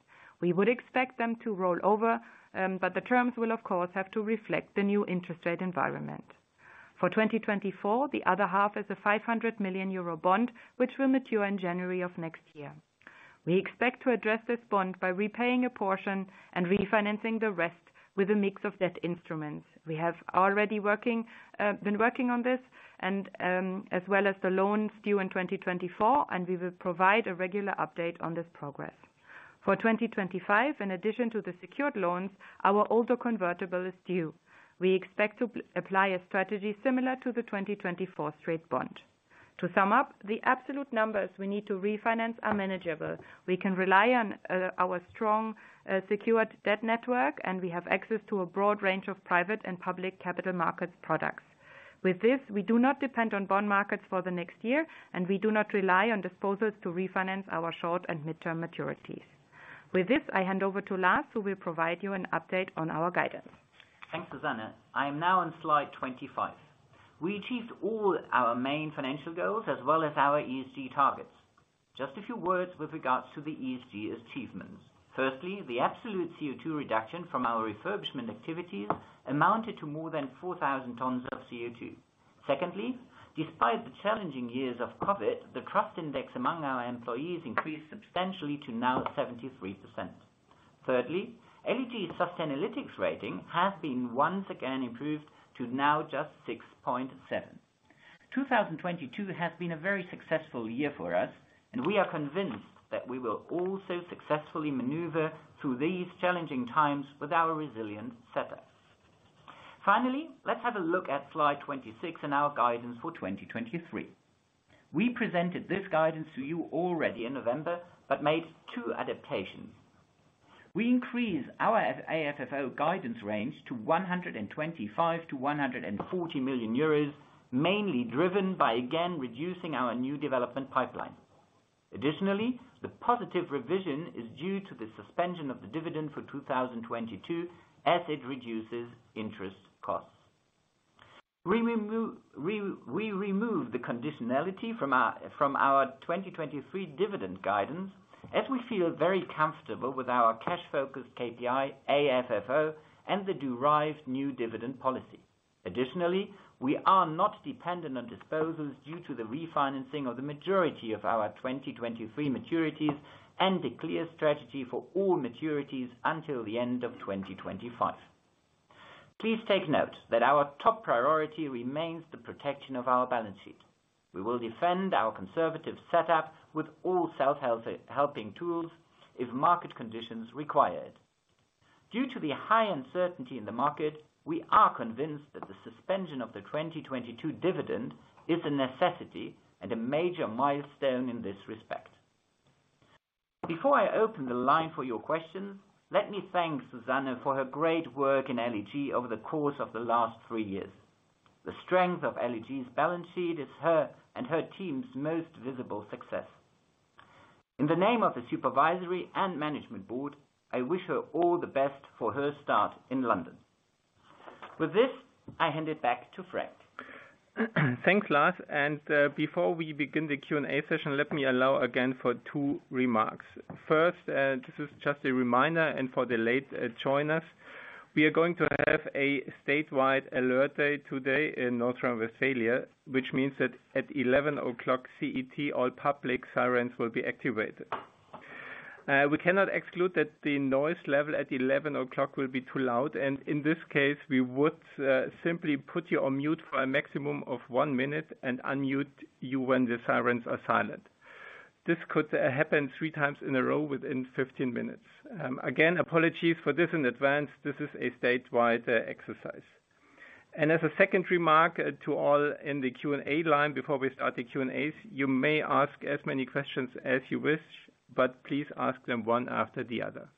We would expect them to roll over, but the terms will of course, have to reflect the new interest rate environment. For 2024, the other half is a 500 million euro bond, which will mature in January of next year. We expect to address this bond by repaying a portion and refinancing the rest with a mix of debt instruments. We have already been working on this and as well as the loans due in 2024, and we will provide a regular update on this progress. For 2025, in addition to the secured loans, our older convertible is due. We expect to apply a strategy similar to the 2024 straight bond. To sum up, the absolute numbers we need to refinance are manageable. We can rely on our strong secured debt network, and we have access to a broad range of private and public capital markets products. With this, we do not depend on bond markets for the next year, and we do not rely on disposals to refinance our short and midterm maturities. With this, I hand over to Lars, who will provide you an update on our guidance. Thanks, Susanne. I am now on slide 25. We achieved all our main financial goals as well as our ESG targets. Just a few words with regards to the ESG achievements. Firstly, the absolute CO2 reduction from our refurbishment activities amounted to more than 4,000 tons of CO2. Secondly, despite the challenging years of COVID, the trust index among our employees increased substantially to now 73%. Thirdly, LEG's Sustainalytics rating has been once again improved to now just 6.7. 2022 has been a very successful year for us, and we are convinced that we will also successfully maneuver through these challenging times with our resilient setup. Finally, let's have a look at slide 26 and our guidance for 2023. We presented this guidance to you already in November, but made 2 adaptations. We increase our AFFO guidance range to 125 million-140 million euros, mainly driven by again reducing our new development pipeline. The positive revision is due to the suspension of the dividend for 2022 as it reduces interest costs. We remove the conditionality from our 2023 dividend guidance as we feel very comfortable with our cash focused KPI, AFFO, and the derived new dividend policy. We are not dependent on disposals due to the refinancing of the majority of our 2023 maturities and a clear strategy for all maturities until the end of 2025. Please take note that our top priority remains the protection of our balance sheet. We will defend our conservative setup with all self-helping tools if market conditions require it. Due to the high uncertainty in the market, we are convinced that the suspension of the 2022 dividend is a necessity and a major milestone in this respect. Before I open the line for your questions, let me thank Susanne for her great work in LEG over the course of the last 3 years. The strength of LEG's balance sheet is her and her team's most visible success. In the name of the supervisory and management board, I wish her all the best for her start in London. With this, I hand it back to Frank. Thanks, Lars, before we begin the Q&A session, let me allow again for two remarks. First, this is just a reminder, for the late joiners, we are going to have a statewide alert day today in North Rhine-Westphalia, which means that at 11 o'clock CET, all public sirens will be activated. We cannot exclude that the noise level at 11 o'clock will be too loud, in this case, we would simply put you on mute for a maximum of one minute and unmute you when the sirens are silent. This could happen 3x in a row within 15 minutes. Again, apologies for this in advance, this is a statewide exercise. As a second remark to all in the Q&A line before we start the Q&A, you may ask as many questions as you wish, but please ask them one after the other.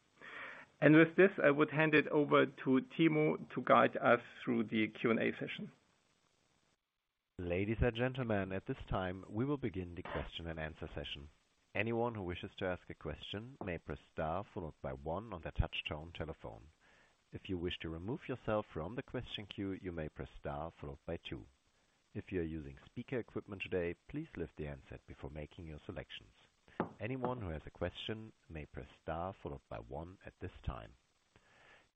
With this, I would hand it over to Timo to guide us through the Q&A session. Ladies and gentlemen, at this time, we will begin the question and answer session. Anyone who wishes to ask a question may press star followed by 1 on their touch tone telephone. If you wish to remove yourself from the question queue, you may press star followed by 2. If you're using speaker equipment today, please lift the handset before making your selections. Anyone who has a question may press star followed by one at this time.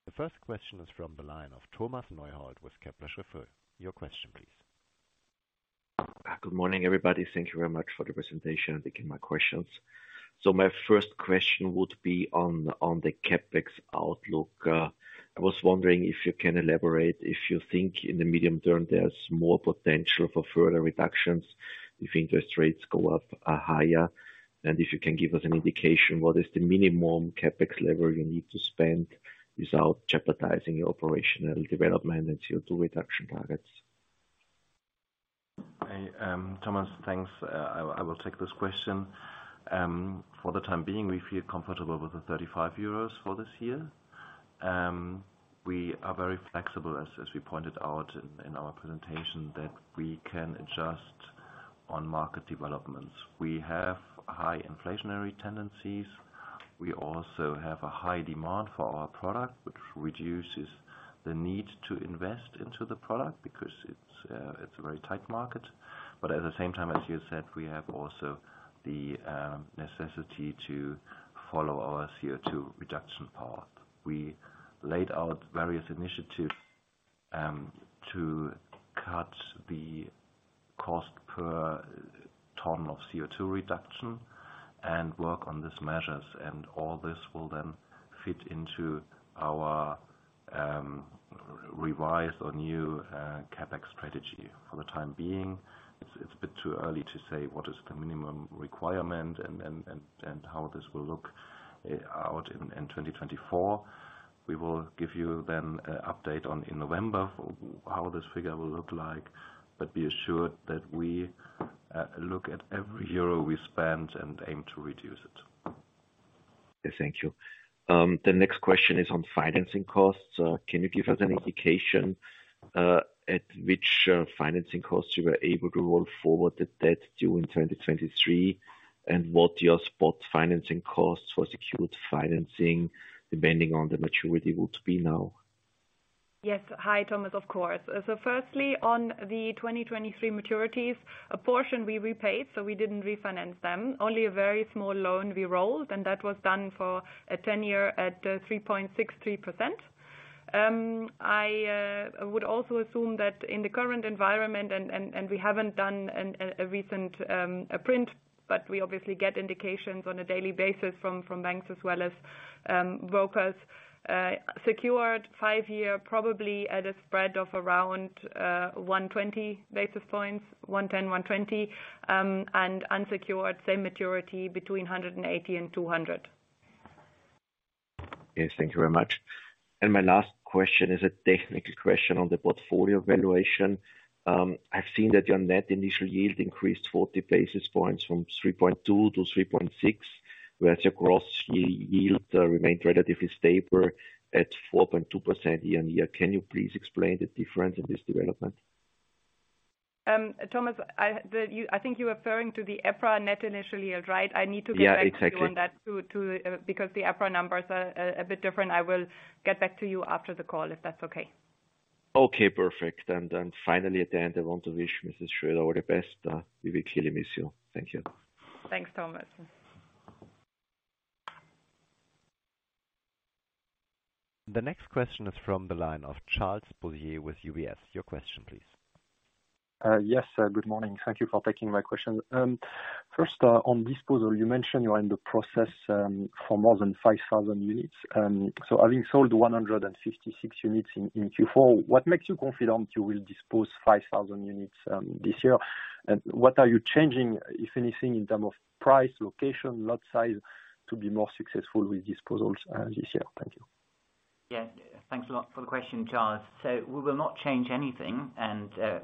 The first question is from the line of Thomas Neuhold with Kepler Cheuvreux. Your question please. Good morning, everybody. Thank you very much for the presentation. Begin my questions. My first question would be on the CapEx outlook. I was wondering if you can elaborate, if you think in the medium term there's more potential for further reductions if interest rates go up higher, and if you can give us an indication, what is the minimum CapEx level you need to spend without jeopardizing your operational development and CO2 reduction targets? Hey, Thomas, thanks. I will take this question. For the time being, we feel comfortable with 35 euros for this year. We are very flexible as we pointed out in our presentation, that we can adjust on market developments. We have high inflationary tendencies. We also have a high demand for our product, which reduces the need to invest into the product because it's a very tight market. At the same time, as you said, we have also the necessity to follow our CO2 reduction path. We laid out various initiatives to cut the cost per ton of CO2 reduction and work on these measures, and all this will then fit into our revised or new CapEx strategy. For the time being, it's a bit too early to say what is the minimum requirement and how this will look out in 2024. We will give you then an update on in November for how this figure will look like. Be assured that we look at every euro we spend and aim to reduce it. Thank you. The next question is on financing costs. Can you give us an indication at which financing costs you were able to roll forward the debt due in 2023, and what your spot financing costs for secured financing, depending on the maturity, would be now? Yes. Hi, Thomas, of course. Firstly, on the 2023 maturities, a portion we repaid, so we didn't refinance them. Only a very small loan we rolled, and that was done for a 10-year at 3.63%. I would also assume that in the current environment, and we haven't done a recent print, but we obviously get indications on a daily basis from banks as well as brokers, secured 5-year probably at a spread of around 120 basis points, 110-120, and unsecured same maturity between 180 and 200. Yes. Thank you very much. My last question is a technical question on the portfolio valuation. I've seen that your net initial yield increased 40 basis points from 3.2 to 3.6, whereas your gross yield remained relatively stable at 4.2% year-on-year. Can you please explain the difference in this development? Thomas, I think you're referring to the EPRA net initial yield, right? I need to get back to you. Yeah, exactly.... on that too, because the EPRA numbers are a bit different. I will get back to you after the call, if that's okay. Okay, perfect. Then finally at the end, I want to wish Susanne Schröter-Crossan all the best. We will clearly miss you. Thank you. Thanks, Thomas. The next question is from the line of Charles Beaulieu with UBS. Your question please. Yes. Good morning. Thank you for taking my question. First, on disposal, you mentioned you are in the process for more than 5,000 units. Having sold 156 units in Q4, what makes you confident you will dispose 5,000 units this year? What are you changing, if anything, in term of price, location, lot size to be more successful with disposals this year? Thank you. Thanks a lot for the question, Charles. We will not change anything.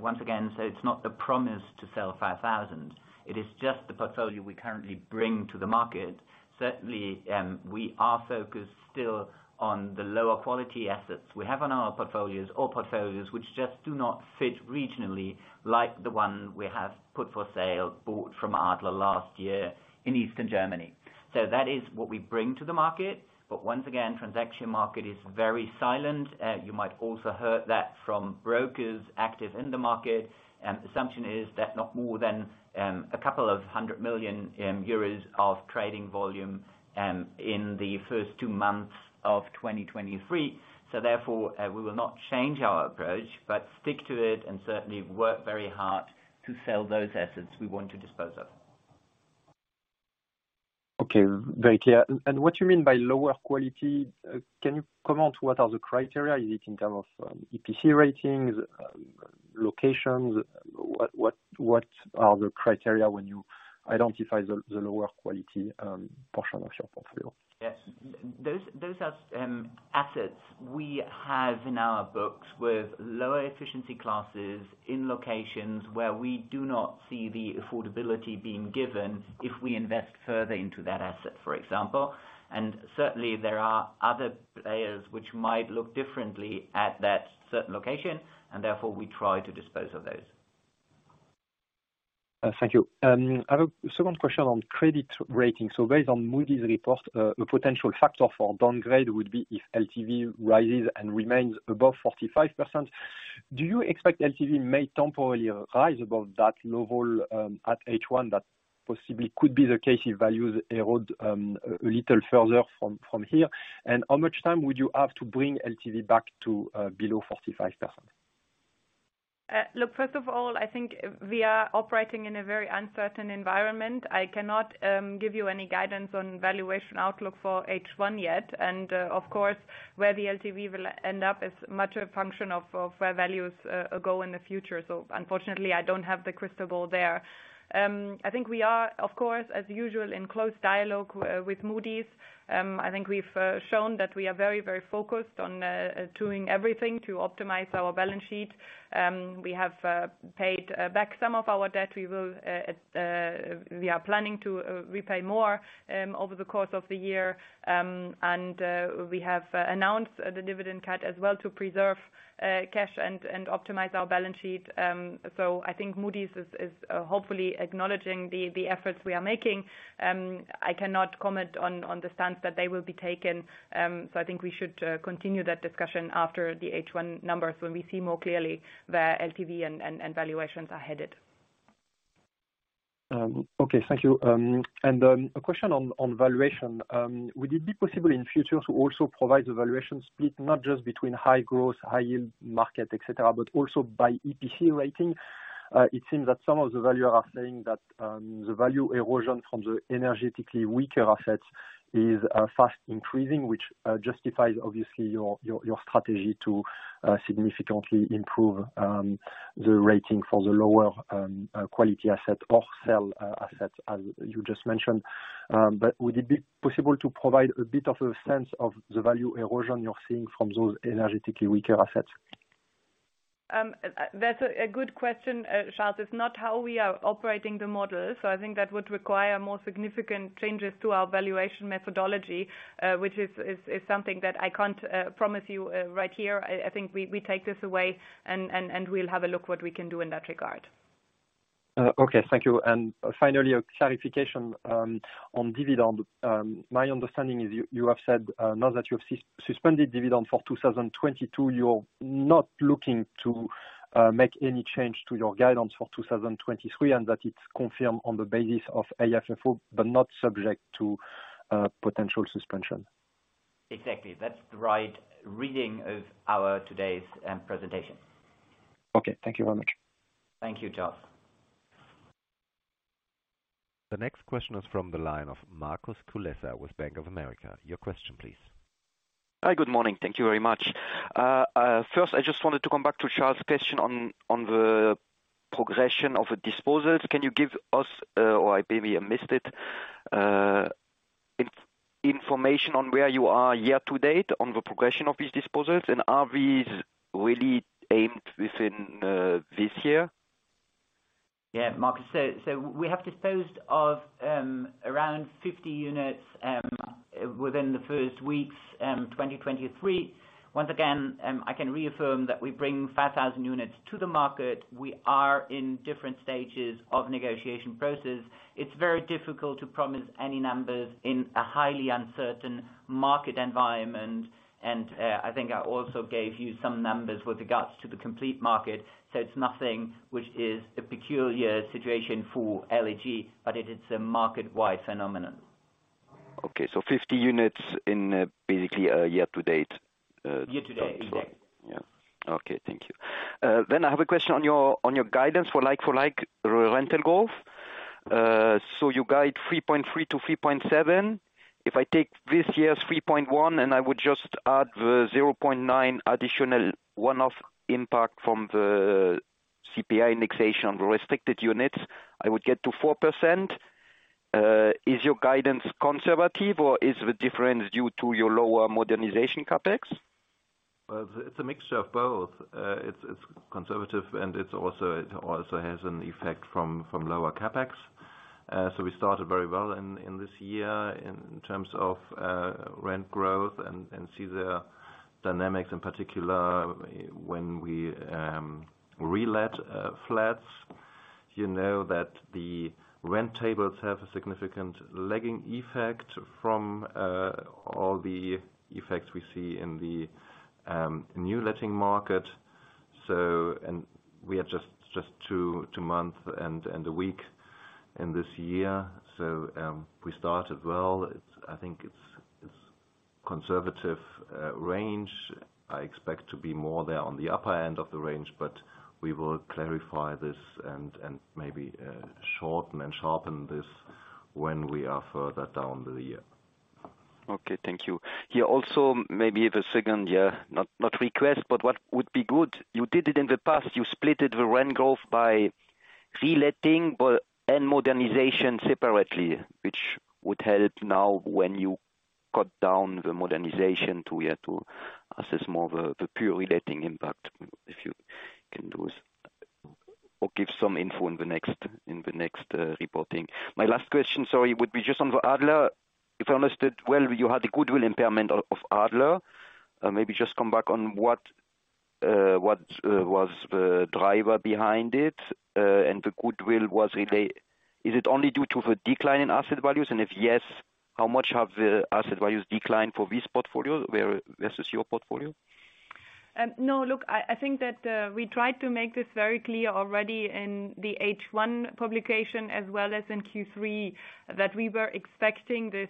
Once again, it's not the promise to sell 5,000, it is just the portfolio we currently bring to the market. Certainly, we are focused still on the lower quality assets we have on our portfolios or portfolios which just do not fit regionally, like the one we have put for sale bought from Adler last year in Eastern Germany. That is what we bring to the market. Once again, transaction market is very silent. You might also heard that from brokers active in the market. Assumption is that not more than a couple of 100 million euros of trading volume in the first 2 months of 2023. Therefore, we will not change our approach, but stick to it and certainly work very hard to sell those assets we want to dispose of. Okay, very clear. What you mean by lower quality? Can you comment what are the criteria? Is it in terms of EPC ratings or locations? What are the criteria when you identify the lower quality portion of your portfolio? Yes. Those are assets we have in our books with lower efficiency classes in locations where we do not see the affordability being given if we invest further into that asset, for example. Certainly, there are other players which might look differently at that certain location, and therefore we try to dispose of those. Thank you. I have a second question on credit rating. Based on Moody's report, a potential factor for downgrade would be if LTV rises and remains above 45%. Do you expect LTV may temporarily rise above that level at H1? That possibly could be the case if values erode a little further from here. How much time would you have to bring LTV back to below 45%? First of all, I think we are operating in a very uncertain environment. I cannot give you any guidance on valuation outlook for H1 yet. Of course, where the LTV will end up is much a function of where values go in the future. Unfortunately, I don't have the crystal ball there. I think we are, of course, as usual, in close dialogue with Moody's. I think we've shown that we are very, very focused on doing everything to optimize our balance sheet. We have paid back some of our debt. We will, we are planning to repay more over the course of the year. We have announced the dividend cut as well to preserve cash and optimize our balance sheet. I think Moody's is hopefully acknowledging the efforts we are making. I cannot comment on the stance that they will be taking. I think we should continue that discussion after the H1 numbers when we see more clearly where LTV and valuations are headed. Okay, thank you. A question on valuation. Would it be possible in future to also provide the valuation split not just between high growth, high yield market, et cetera, but also by EPC rating? It seems that some of the valuers are saying that the value erosion from the energetically weaker assets is fast increasing, which justifies obviously your strategy to significantly improve the rating for the lower quality asset or sell assets as you just mentioned. Would it be possible to provide a bit of a sense of the value erosion you're seeing from those energetically weaker assets? That's a good question, Charles. It's not how we are operating the model. I think that would require more significant changes to our valuation methodology, which is something that I can't promise you right here. I think we take this away and we'll have a look what we can do in that regard. Okay, thank you. Finally, a clarification on dividend. My understanding is you have said now that you have suspended dividend for 2022, you're not looking to make any change to your guidance for 2023, and that it's confirmed on the basis of AFFO, but not subject to potential suspension. Exactly. That's the right reading of our today's presentation. Okay. Thank you very much. Thank you, Charles. The next question is from the line of Markus Kulessa with Bank of America. Your question please. Hi, good morning. Thank you very much. First, I just wanted to come back to Charles' question on the progression of the disposals. Can you give us, or maybe I missed it, information on where you are year to date on the progression of these disposals, and are these really aimed within this year? Markus, we have disposed of around 50 units within the first weeks, 2023. Once again, I can reaffirm that we bring 5,000 units to the market. We are in different stages of negotiation process. It's very difficult to promise any numbers in a highly uncertain market environment. I think I also gave you some numbers with regards to the complete market. It's nothing which is a peculiar situation for LEG, but it is a market-wide phenomenon. Okay. 50 units in, basically, year to date. Year to date, indeed. Okay. Thank you. I have a question on your, on your guidance for like-for-like re-rental growth. You guide 3.3 to 3.7. If I take this year's 3.1, and I would just add the 0.9 additional one-off impact from the CPI indexation restricted units, I would get to 4%. Is your guidance conservative or is the difference due to your lower modernization CapEx? Well, it's a mixture of both. It's conservative and it also has an effect from lower CapEx. We started very well in this year in terms of rent growth and see the dynamics in particular when we relet flats. You know that the rent tables have a significant lagging effect from all the effects we see in the new letting market. We are just 2 months and a week in this year. We started well. I think it's conservative range. I expect to be more there on the upper end of the range. We will clarify this and maybe shorten and sharpen this when we are further down the year. Okay, thank you. Here also, maybe the second, not request, but what would be good, you did it in the past. You splitted the rent growth by reletting and modernization separately, which would help now when you cut down the modernization to, we have to assess more the pure reletting impact, if you can do it or give some info in the next reporting. My last question, sorry, would be just on the Adler. If I understood well, you had a goodwill impairment of Adler. Maybe just come back on what was the driver behind it, the goodwill was really... Is it only due to the decline in asset values? If yes, how much have the asset values declined for this portfolio versus your portfolio? No, look, I think that we tried to make this very clear already in the H1 publication as well as in Q3, that we were expecting this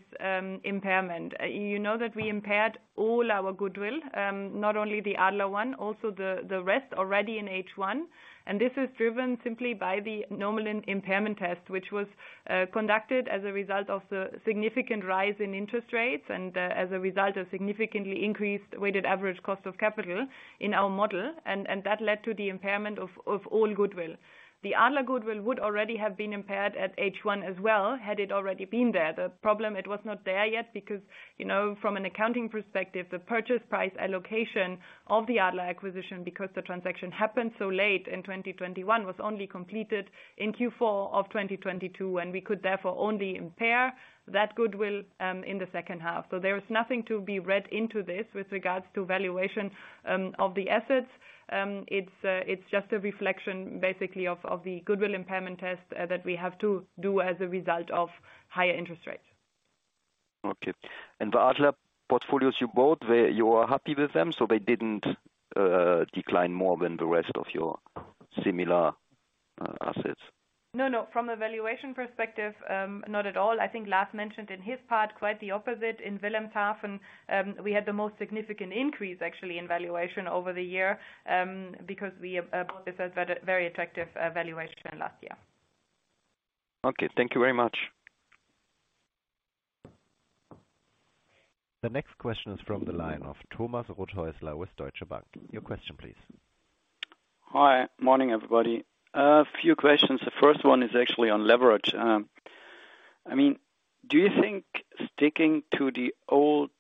impairment. You know that we impaired all our goodwill, not only the Adler, also the rest already in H1, and this is driven simply by the nominal impairment test, which was conducted as a result of the significant rise in interest rates and as a result of significantly increased weighted average cost of capital in our model. That led to the impairment of all goodwill. The Adler goodwill would already have been impaired at H1 as well, had it already been there. The problem, it was not there yet because, from an accounting perspective, the purchase price allocation of the Adler acquisition because the transaction happened so late in 2021, was only completed in Q4 of 2022, and we could therefore only impair that goodwill in the second half. There is nothing to be read into this with regards to valuation of the assets. It's just a reflection basically of the goodwill impairment test that we have to do as a result of higher interest rates. Okay. The Adler portfolios you bought, were you happy with them, they didn't decline more than the rest of your similar assets? No, no. From a valuation perspective, not at all. I think Lars mentioned in his part quite the opposite. In Wilhelmshaven, we had the most significant increase actually in valuation over the year, because we bought this at a very, very attractive valuation last year. Okay, thank you very much. The next question is from the line of Thomas Rothäusler with Deutsche Bank. Your question please. Hi. Morning, everybody. A few questions. The first one is actually on leverage. I mean, do you think sticking to the old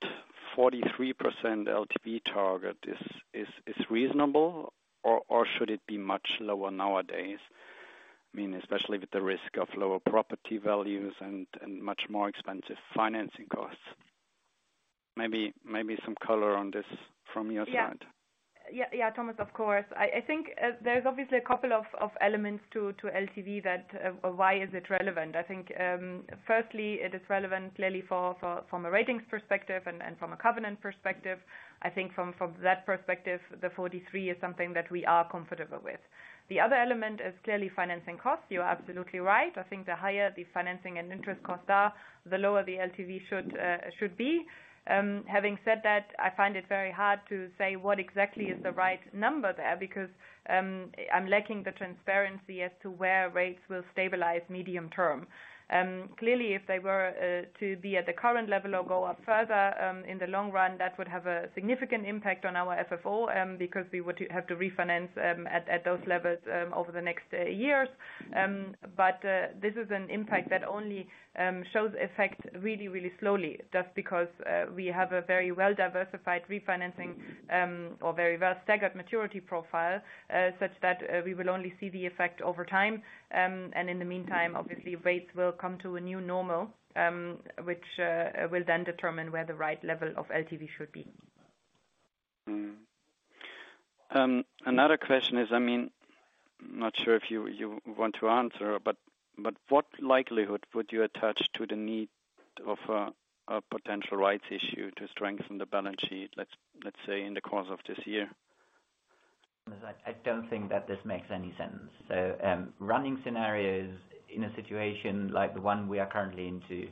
43% LTV target is reasonable, or should it be much lower nowadays? I mean, especially with the risk of lower property values and much more expensive financing costs. Maybe some color on this from your side? Yeah, Thomas, of course. I think there's obviously a couple of elements to LTV that, why is it relevant? I think firstly it is relevant clearly for from a ratings perspective and from a covenant perspective. I think from that perspective, the 43 is something that we are comfortable with. The other element is clearly financing costs. You're absolutely right. I think the higher the financing and interest costs are, the lower the LTV should be. Having said that, I find it very hard to say what exactly is the right number there because I'm lacking the transparency as to where rates will stabilize medium term. Clearly if they were to be at the current level or go up further, in the long run, that would have a significant impact on our FFO, because we would have to refinance at those levels over the next years. This is an impact that only shows effect really, really slowly just because we have a very well-diversified refinancing or very well-staggered maturity profile such that we will only see the effect over time. In the meantime, obviously rates will come to a new normal, which will then determine where the right level of LTV should be. Another question is, I mean, not sure if you want to answer, but what likelihood would you attach to the need of a potential rights issue to strengthen the balance sheet, let's say, in the course of this year? I don't think that this makes any sense. Running scenarios in a situation like the one we are currently into,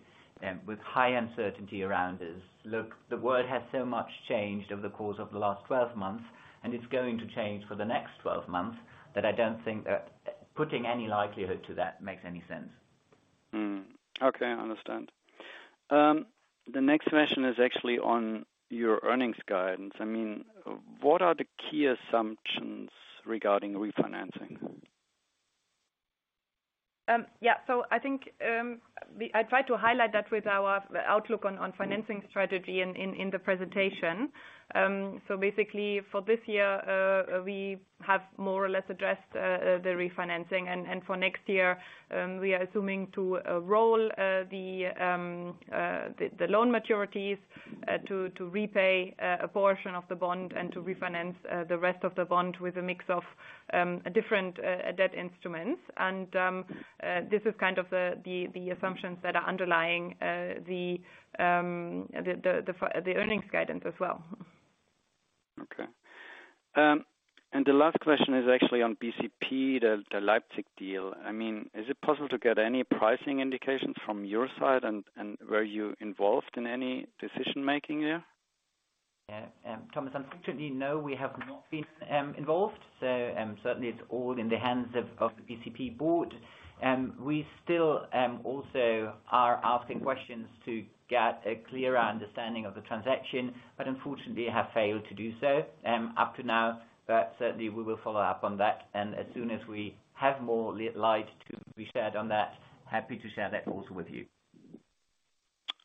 with high uncertainty around us. Look, the world has so much changed over the course of the last 12 months, it's going to change for the next 12 months, that I don't think that putting any likelihood to that makes any sense. Okay, I understand. The next question is actually on your earnings guidance. I mean, what are the key assumptions regarding refinancing? I think I tried to highlight that with our the outlook on financing strategy in the presentation. Basically for this year, we have more or less addressed the refinancing. For next year, we are assuming to roll the loan maturities to repay a portion of the bond and to refinance the rest of the bond with a mix of different debt instruments. This is kind of the assumptions that are underlying the earnings guidance as well. Okay. The last question is actually on BCP, the Leipzig deal. I mean, is it possible to get any pricing indications from your side and were you involved in any decision-making there? Thomas, unfortunately, no, we have not been involved. Certainly it's all in the hands of the BCP board. We still also are asking questions to get a clearer understanding of the transaction, unfortunately have failed to do so up to now. Certainly we will follow up on that, and as soon as we have more light to be shed on that, happy to share that also with you.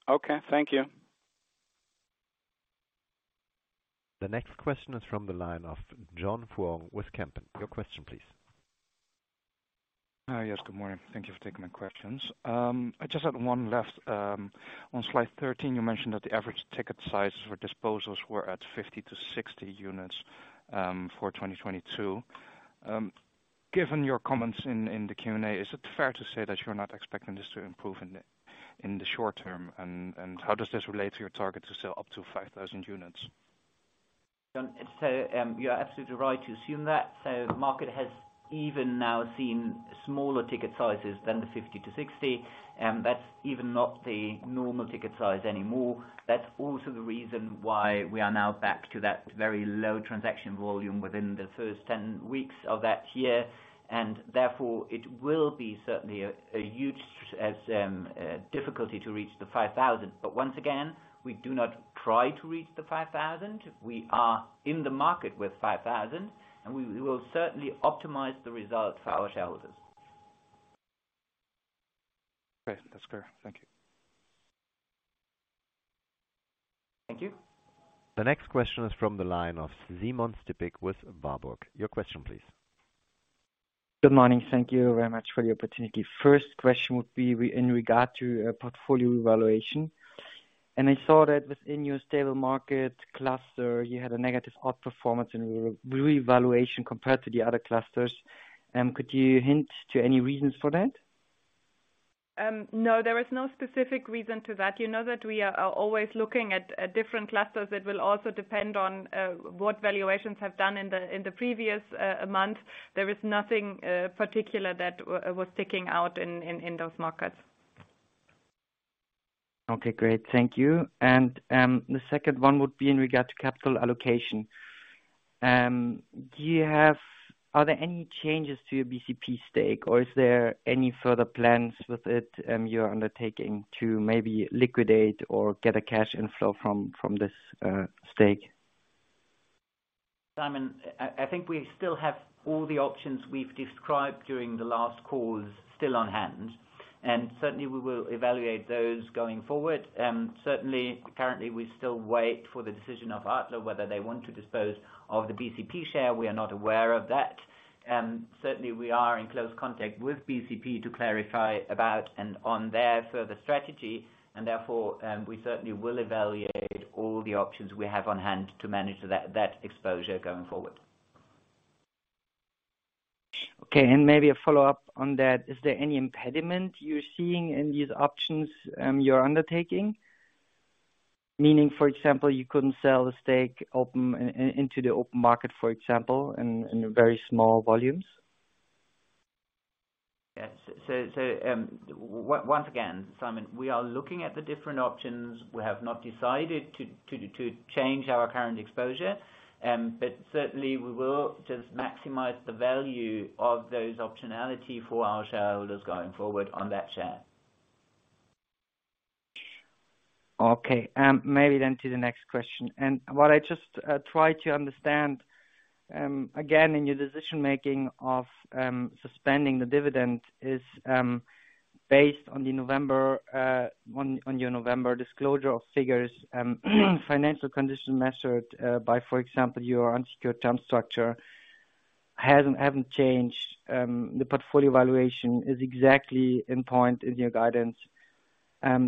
Okay. Thank you. The next question is from the line of John Fuang with Kempen. Your question, please. Yes. Good morning. Thank you for taking my questions. I just had one last. On slide 13, you mentioned that the average ticket sizes for disposals were at 50 to 60 units for 2022. Given your comments in the Q&A, is it fair to say that you're not expecting this to improve in the short term? How does this relate to your target to sell up to 5,000 units? John, you are absolutely right to assume that. The market has even now seen smaller ticket sizes than the 50-60, that's even not the normal ticket size anymore. That's also the reason why we are now back to that very low transaction volume within the first 10 weeks of that year, and therefore it will be certainly a huge difficulty to reach the 5,000. Once again, we do not try to reach the 5,000. We are in the market with 5,000, and we will certainly optimize the results for our shareholders. Okay. That's clear. Thank you. Thank you. The next question is from the line of Simon Stippig with Warburg Research. Your question please. Good morning. Thank you very much for the opportunity. First question would be in regard to portfolio evaluation. I saw that within your stable market cluster, you had a negative outperformance in revaluation compared to the other clusters. Could you hint to any reasons for that? No, there is no specific reason to that. You know that we are always looking at different clusters. It will also depend on what valuations have done in the previous month. There is nothing particular that was sticking out in those markets. Okay, great. Thank you. The second one would be in regard to capital allocation. Are there any changes to your BCP stake or is there any further plans with it, you are undertaking to maybe liquidate or get a cash inflow from this stake? Simon, I think we still have all the options we've described during the last calls still on hand, and certainly we will evaluate those going forward. Certainly, currently, we still wait for the decision of Adler, whether they want to dispose of the BCP share. We are not aware of that. Certainly we are in close contact with BCP to clarify about and on their further strategy. Therefore, we certainly will evaluate all the options we have on hand to manage that exposure going forward. Okay, maybe a follow-up on that. Is there any impediment you're seeing in these options, you're undertaking? Meaning, for example, you couldn't sell the stake open, into the open market, for example, in very small volumes? Yes. once again, Simon, we are looking at the different options. We have not decided to change our current exposure. Certainly we will just maximize the value of those optionality for our shareholders going forward on that share. Okay. Maybe to the next question. What I just try to understand again, in your decision-making of suspending the dividend is based on your November disclosure of figures, financial condition measured by, for example, your unsecured term structure haven't changed. The portfolio valuation is exactly in point in your guidance.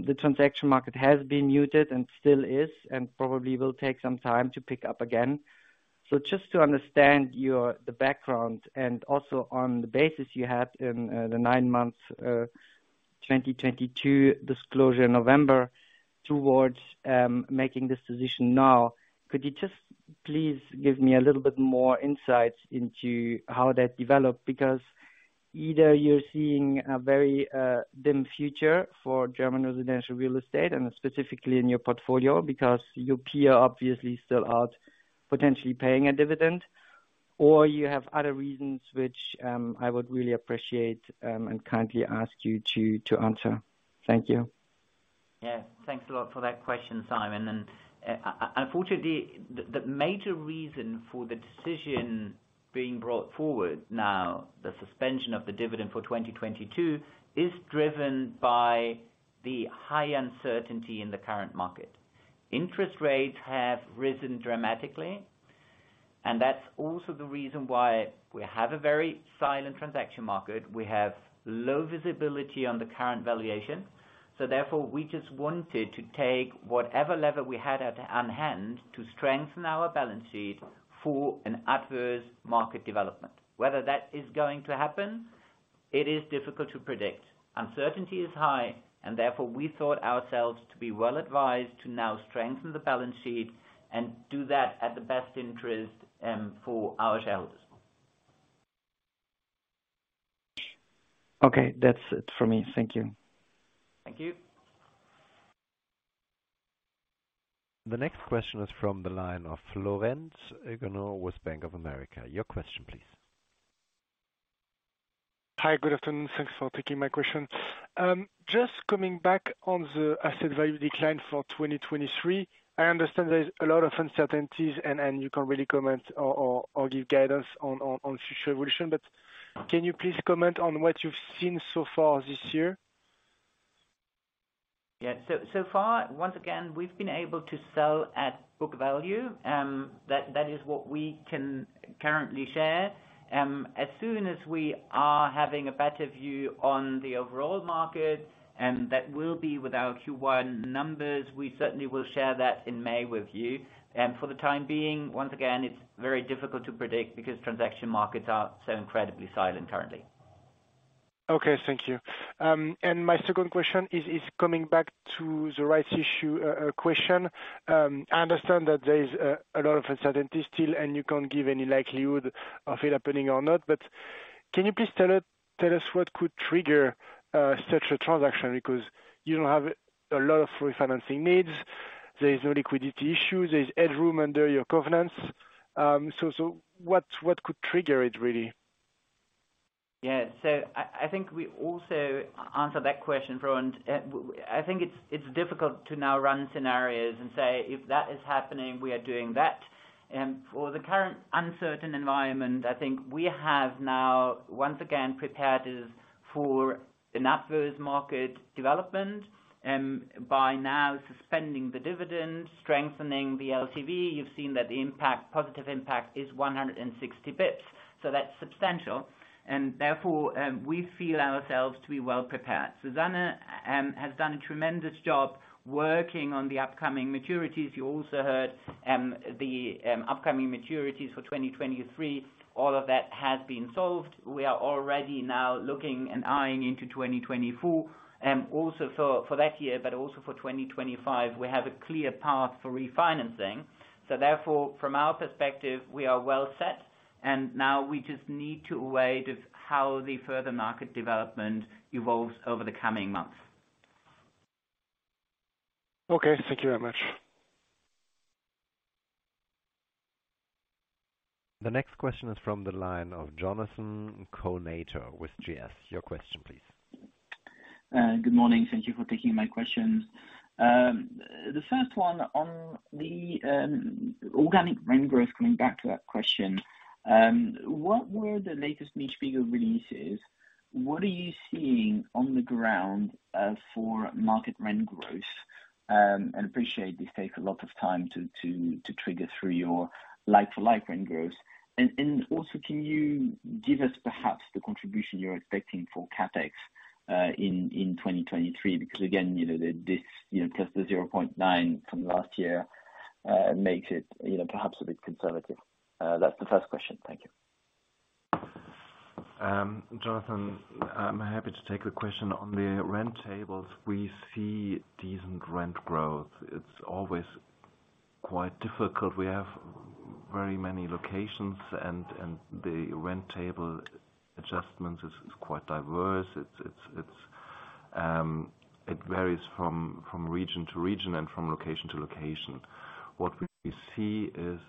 The transaction market has been muted and still is, and probably will take some time to pick up again. Just to understand the background and also on the basis you had in the 9 months 2022 disclosure November towards making this decision now, could you just please give me a little bit more insights into how that developed? Either you're seeing a very dim future for German residential real estate and specifically in your portfolio, because your peer obviously still are potentially paying a dividend, or you have other reasons which I would really appreciate and kindly ask you to answer. Thank you. Thanks a lot for that question, Simon. Unfortunately, the major reason for the decision being brought forward now, the suspension of the dividend for 2022, is driven by the high uncertainty in the current market. Interest rates have risen dramatically, that's also the reason why we have a very silent transaction market. We have low visibility on the current valuation. Therefore, we just wanted to take whatever lever we had at hand to strengthen our balance sheet for an adverse market development. Whether that is going to happen, it is difficult to predict. Uncertainty is high, therefore we thought ourselves to be well advised to now strengthen the balance sheet and do that at the best interest for our shareholders. Okay. That's it for me. Thank you. Thank you. The next question is from the line of Lorenz Egner with Bank of America. Your question, please. Hi, good afternoon. Thanks for taking my question. Just coming back on the asset value decline for 2023. I understand there's a lot of uncertainties and you can't really comment or give guidance on future evolution. Can you please comment on what you've seen so far this year? So far, once again, we've been able to sell at book value. That is what we can currently share. As soon as we are having a better view on the overall market, and that will be with our Q1 numbers, we certainly will share that in May with you. For the time being, once again, it's very difficult to predict because transaction markets are so incredibly silent currently. Okay. Thank you. My second question is coming back to the rights issue question. I understand that there is a lot of uncertainty still, and you can't give any likelihood of it happening or not. Can you please tell us what could trigger such a transaction? Because you don't have a lot of refinancing needs. There is no liquidity issue. There's headroom under your covenants. So what could trigger it, really? I think we also answered that question, Lorenz. I think it's difficult to now run scenarios and say, "If that is happening, we are doing that." For the current uncertain environment, I think we have now, once again, prepared it for an adverse market development, by now suspending the dividend, strengthening the LTV. You've seen that the impact, positive impact is 160 bits. That's substantial, and therefore, we feel ourselves to be well prepared. Susanne? Has done a tremendous job working on the upcoming maturities. You also heard the upcoming maturities for 2023, all of that has been solved. We are already now looking and eyeing into 2024, also for that year, but also for 2025. We have a clear path for refinancing. Therefore, from our perspective, we are well set, and now we just need to wait of how the further market development evolves over the coming months. Okay. Thank you very much. The next question is from the line of Jonathan Kownato with GS. Your question please. Good morning. Thank you for taking my questions. The first one on the organic rent growth, coming back to that question, what were the latest Mietspiegel releases? What are you seeing on the ground for market rent growth? I appreciate this takes a lot of time to trigger through your like for like rent growth. Also, can you give us perhaps the contribution you're expecting for CapEx in 2023? Again, the, this, plus the 0.9 from last year, makes it, perhaps a bit conservative. That's the first question. Thank you. Jonathan, I'm happy to take the question. On the rent tables, we see decent rent growth. It's always quite difficult. We have very many locations and the rent table adjustments is quite diverse. It varies from region to region and from location to location. What we see is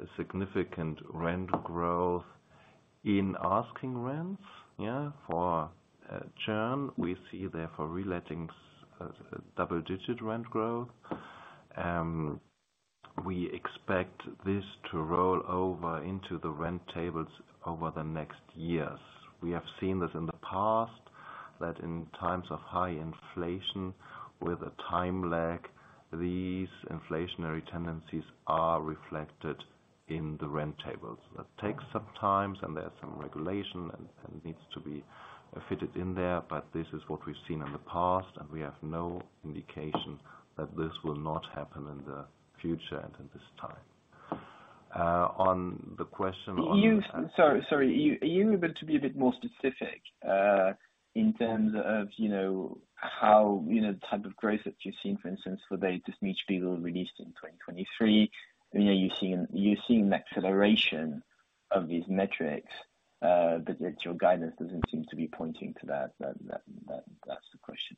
a significant rent growth in asking rents, yeah, for churn. We see therefore, relettings and double-digit rent growth. We expect this to roll over into the rent tables over the next years. We have seen this in the past, that in times of high inflation with a time lag, these inflationary tendencies are reflected in the rent tables. That takes some times. There's some regulation and needs to be fitted in there. This is what we've seen in the past. We have no indication that this will not happen in the future and in this time. Sorry. Are you able to be a bit more specific, in terms of, how, the type of growth that you've seen, for instance, for the latest Mietspiegel released in 2023? You know, you're seeing an acceleration of these metrics, yet your guidance doesn't seem to be pointing to that. That's the question.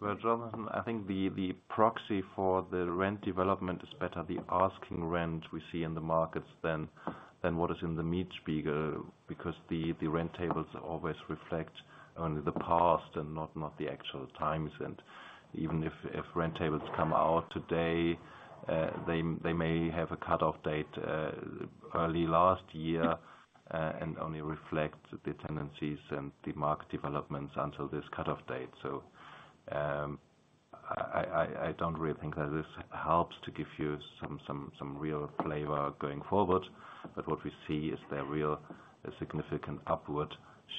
Jonathan, I think the proxy for the rent development is better the asking rent we see in the markets than what is in the Mietspiegel because the rent tables always reflect only the past and not the actual times. Even if rent tables come out today, they may have a cut-off date early last year and only reflect the tendencies and the market developments until this cut-off date. I don't really think that this helps to give you some real flavor going forward. What we see is the real significant upward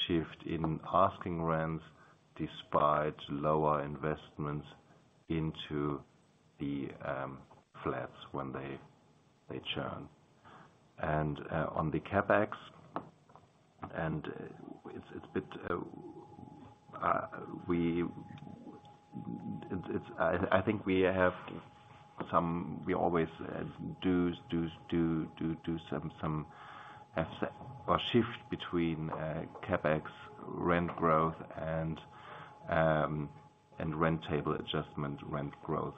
shift in asking rents despite lower investments into the flats when they churn. On the CapEx, and it's a bit. It's I think we always do some asset or shift between CapEx rent growth and and rent table adjustment rent growth.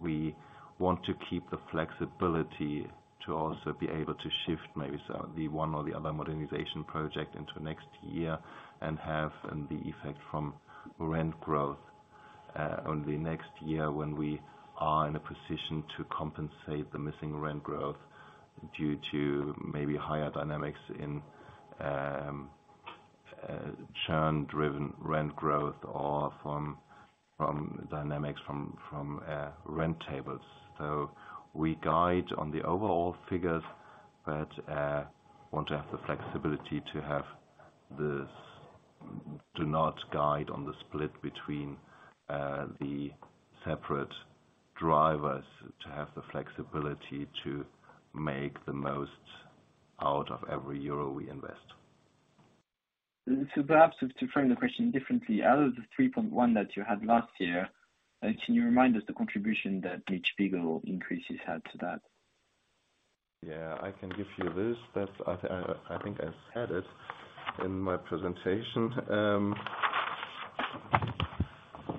We want to keep the flexibility to also be able to shift maybe the one or the other modernization project into next year and have the effect from rent growth only next year when we are in a position to compensate the missing rent growth due to maybe higher dynamics in churn-driven rent growth or from dynamics from rent tables. We guide on the overall figures but want to have the flexibility to have this, do not guide on the split between the separate drivers to have the flexibility to make the most out of every euro we invest. Perhaps to frame the question differently, out of the 3.1 that you had last year, can you remind us the contribution that each bigger increases had to that? I can give you this. That's, I think I said it in my presentation.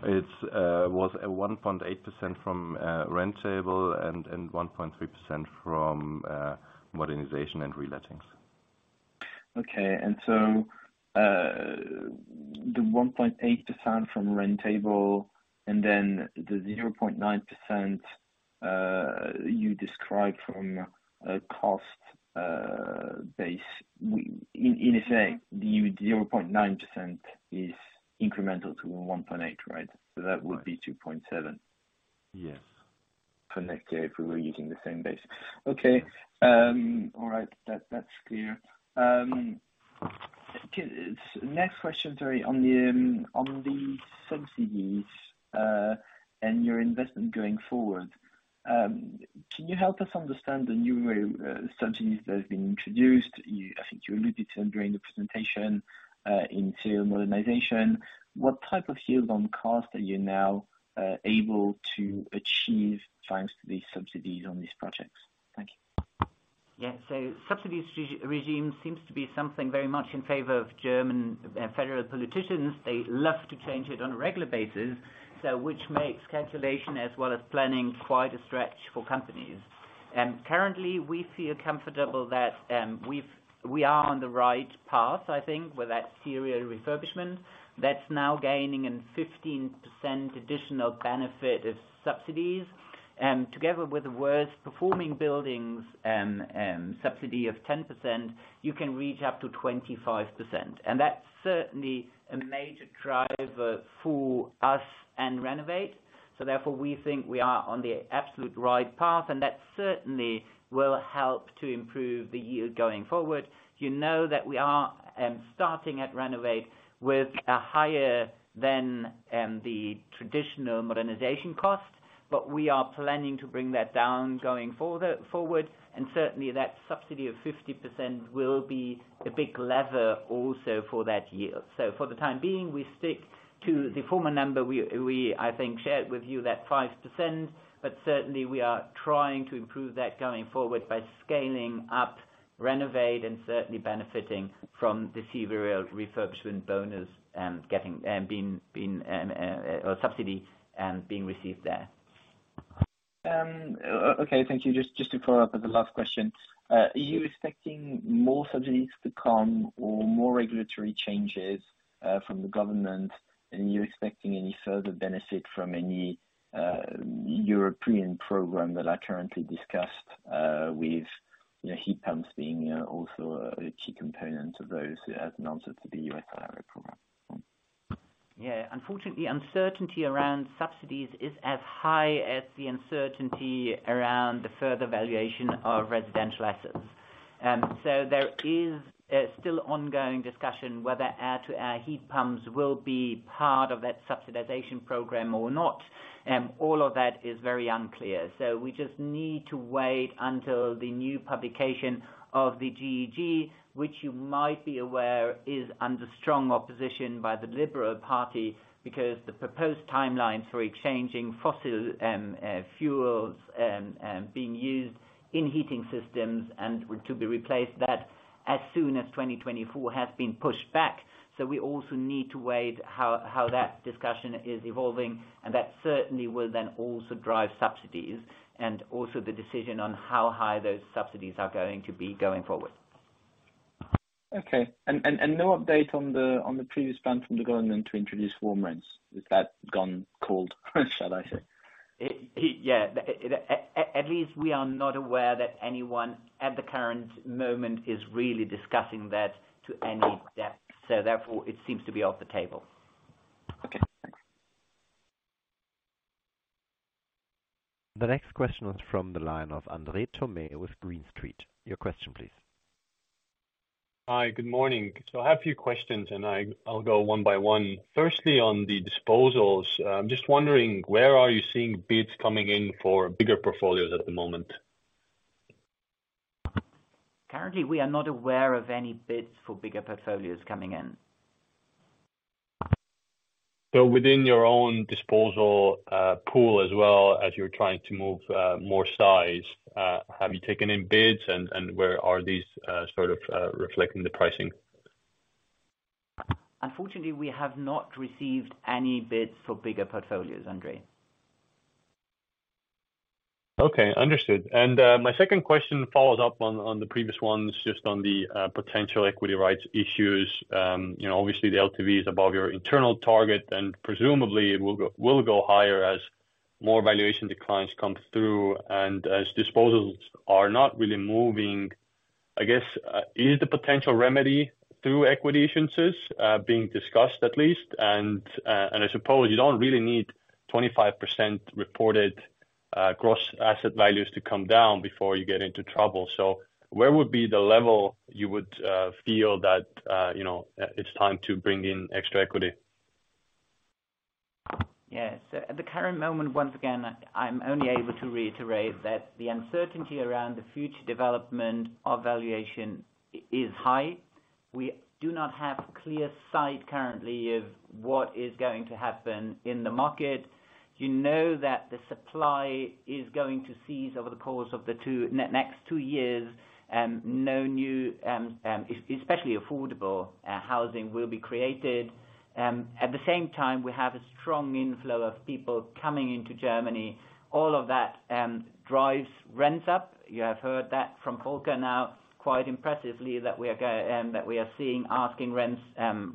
It's was a 1.8% from rent table and 1.3% from modernization and relettings. Okay. The 1.8% from rent table and then the 0.9% you described from a cost base. In effect, the 0.9% is incremental to 1.8%, right? That would be 2.7%. Yes. Per net gear if we were using the same base. Okay. All right, that's clear. Next question, sorry. On the subsidies and your investment going forward. Can you help us understand the new way subsidies that have been introduced? I think you alluded to them during the presentation, in serial modernization. What type of yield on costs are you now able to achieve thanks to these subsidies on these projects? Thank you. Subsidies regime seems to be something very much in favor of German federal politicians. They love to change it on a regular basis, which makes calculation as well as planning quite a stretch for companies. Currently, we feel comfortable that we are on the right path, I think, with that serial refurbishment that's now gaining an 15% additional benefit of subsidies, together with the worst-performing buildings subsidy of 10%, you can reach up to 25%. That's certainly a major driver for us and RENOWATE. Therefore, we think we are on the absolute right path, and that certainly will help to improve the yield going forward. You know that we are starting at RENOWATE with a higher than the traditional modernization costs. We are planning to bring that down going forward. Certainly that subsidy of 50% will be a big lever also for that year. For the time being, we stick to the former number we, I think, shared with you, that 5%. Certainly we are trying to improve that going forward by scaling up RENOWATE and certainly benefiting from the serial refurbishment bonus, getting being or subsidy being received there. Okay, thank you. Just to follow up with the last question. Are you expecting more subsidies to come or more regulatory changes from the government? Are you expecting any further benefit from any European program that are currently discussed with, heat pumps being also a key component of those as an answer to the U.S. IRA program? Unfortunately, uncertainty around subsidies is as high as the uncertainty around the further valuation of residential assets. There is a still ongoing discussion whether air-to-air heat pumps will be part of that subsidization program or not. All of that is very unclear. We just need to wait until the new publication of the GEG, which you might be aware is under strong opposition by the Liberal Party because the proposed timelines for exchanging fossil fuels being used in heating systems and to be replaced that as soon as 2024 has been pushed back. We also need to wait how that discussion is evolving, that certainly will then also drive subsidies and also the decision on how high those subsidies are going to be going forward. Okay. No update on the previous plan from the government to introduce warm rents. Is that gone cold shall I say? It at least we are not aware that anyone at the current moment is really discussing that to any depth. Therefore it seems to be off the table. Okay, thanks. The next question is from the line of Andres Toome with Green Street. Your question please. Hi, good morning. I have a few questions, and I'll go one by one. Firstly, on the disposals, I'm just wondering where are you seeing bids coming in for bigger portfolios at the moment? Currently, we are not aware of any bids for bigger portfolios coming in. Within your own disposal, pool as well as you're trying to move, more size, have you taken in bids, and where are these reflecting the pricing? Unfortunately, we have not received any bids for bigger portfolios, Andre. Okay, understood. My second question follows up on the previous ones just on the potential equity rights issues. You know, obviously the LTV is above your internal target and presumably will go higher as more valuation declines come through and as disposals are not really moving. I guess, is the potential remedy through equity issuances being discussed at least? I suppose you don't really need 25% reported gross asset values to come down before you get into trouble. Where would be the level you would feel that, it's time to bring in extra equity? Yes. At the current moment, once again, I'm only able to reiterate that the uncertainty around the future development of valuation is high. We do not have clear sight currently of what is going to happen in the market. You know that the supply is going to cease over the course of the 2 next 2 years, no new, especially affordable, housing will be created. At the same time, we have a strong inflow of people coming into Germany. All of that drives rents up. You have heard that from Volker now quite impressively that we are seeing asking rents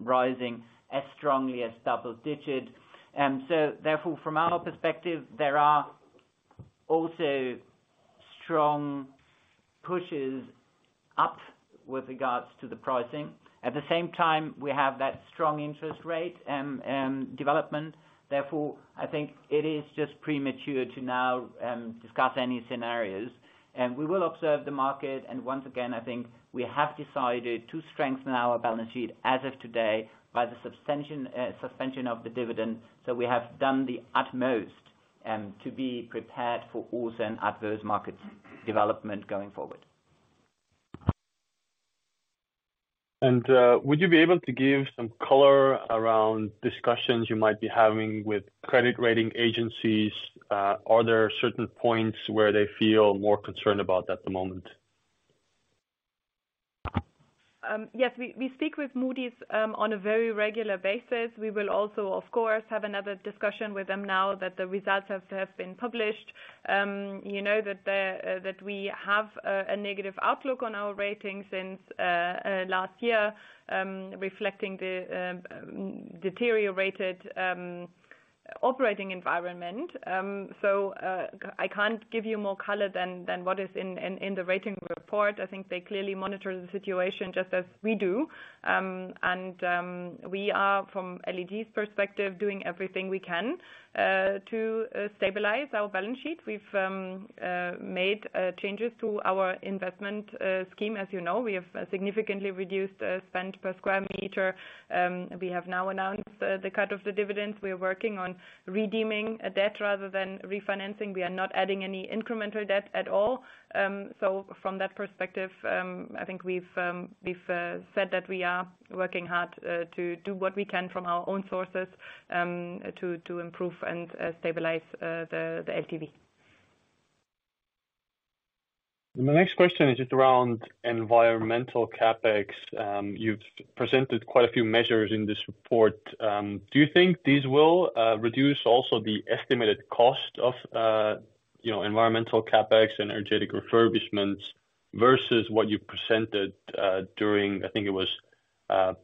rising as strongly as double digit. Therefore, from our perspective, there are also strong pushes up with regards to the pricing. At the same time, we have that strong interest rate and development. I think it is just premature to now discuss any scenarios. We will observe the market. Once again, I think we have decided to strengthen our balance sheet as of today by the suspension of the dividend, that we have done the utmost to be prepared for all and adverse market development going forward. Would you be able to give some color around discussions you might be having with credit rating agencies? Are there certain points where they feel more concerned about at the moment? Yes. We speak with Moody's on a very regular basis. We will also, of course, have another discussion with them now that the results have been published. You know that we have a negative outlook on our rating since last year, reflecting the deteriorated operating environment. I can't give you more color than what is in the rating report. I think they clearly monitor the situation just as we do. We are from LEG's perspective, doing everything we can to stabilize our balance sheet. We've made changes to our investment scheme. As we have significantly reduced spend per square meter. We have now announced the cut of the dividend. We are working on redeeming a debt rather than refinancing. We are not adding any incremental debt at all. From that perspective, I think we've said that we are working hard to do what we can from our own sources to improve and stabilize the LTV. My next question is just around environmental CapEx. You've presented quite a few measures in this report. Do you think these will reduce also the estimated cost of, environmental CapEx and energetic refurbishments versus what you presented during, I think it was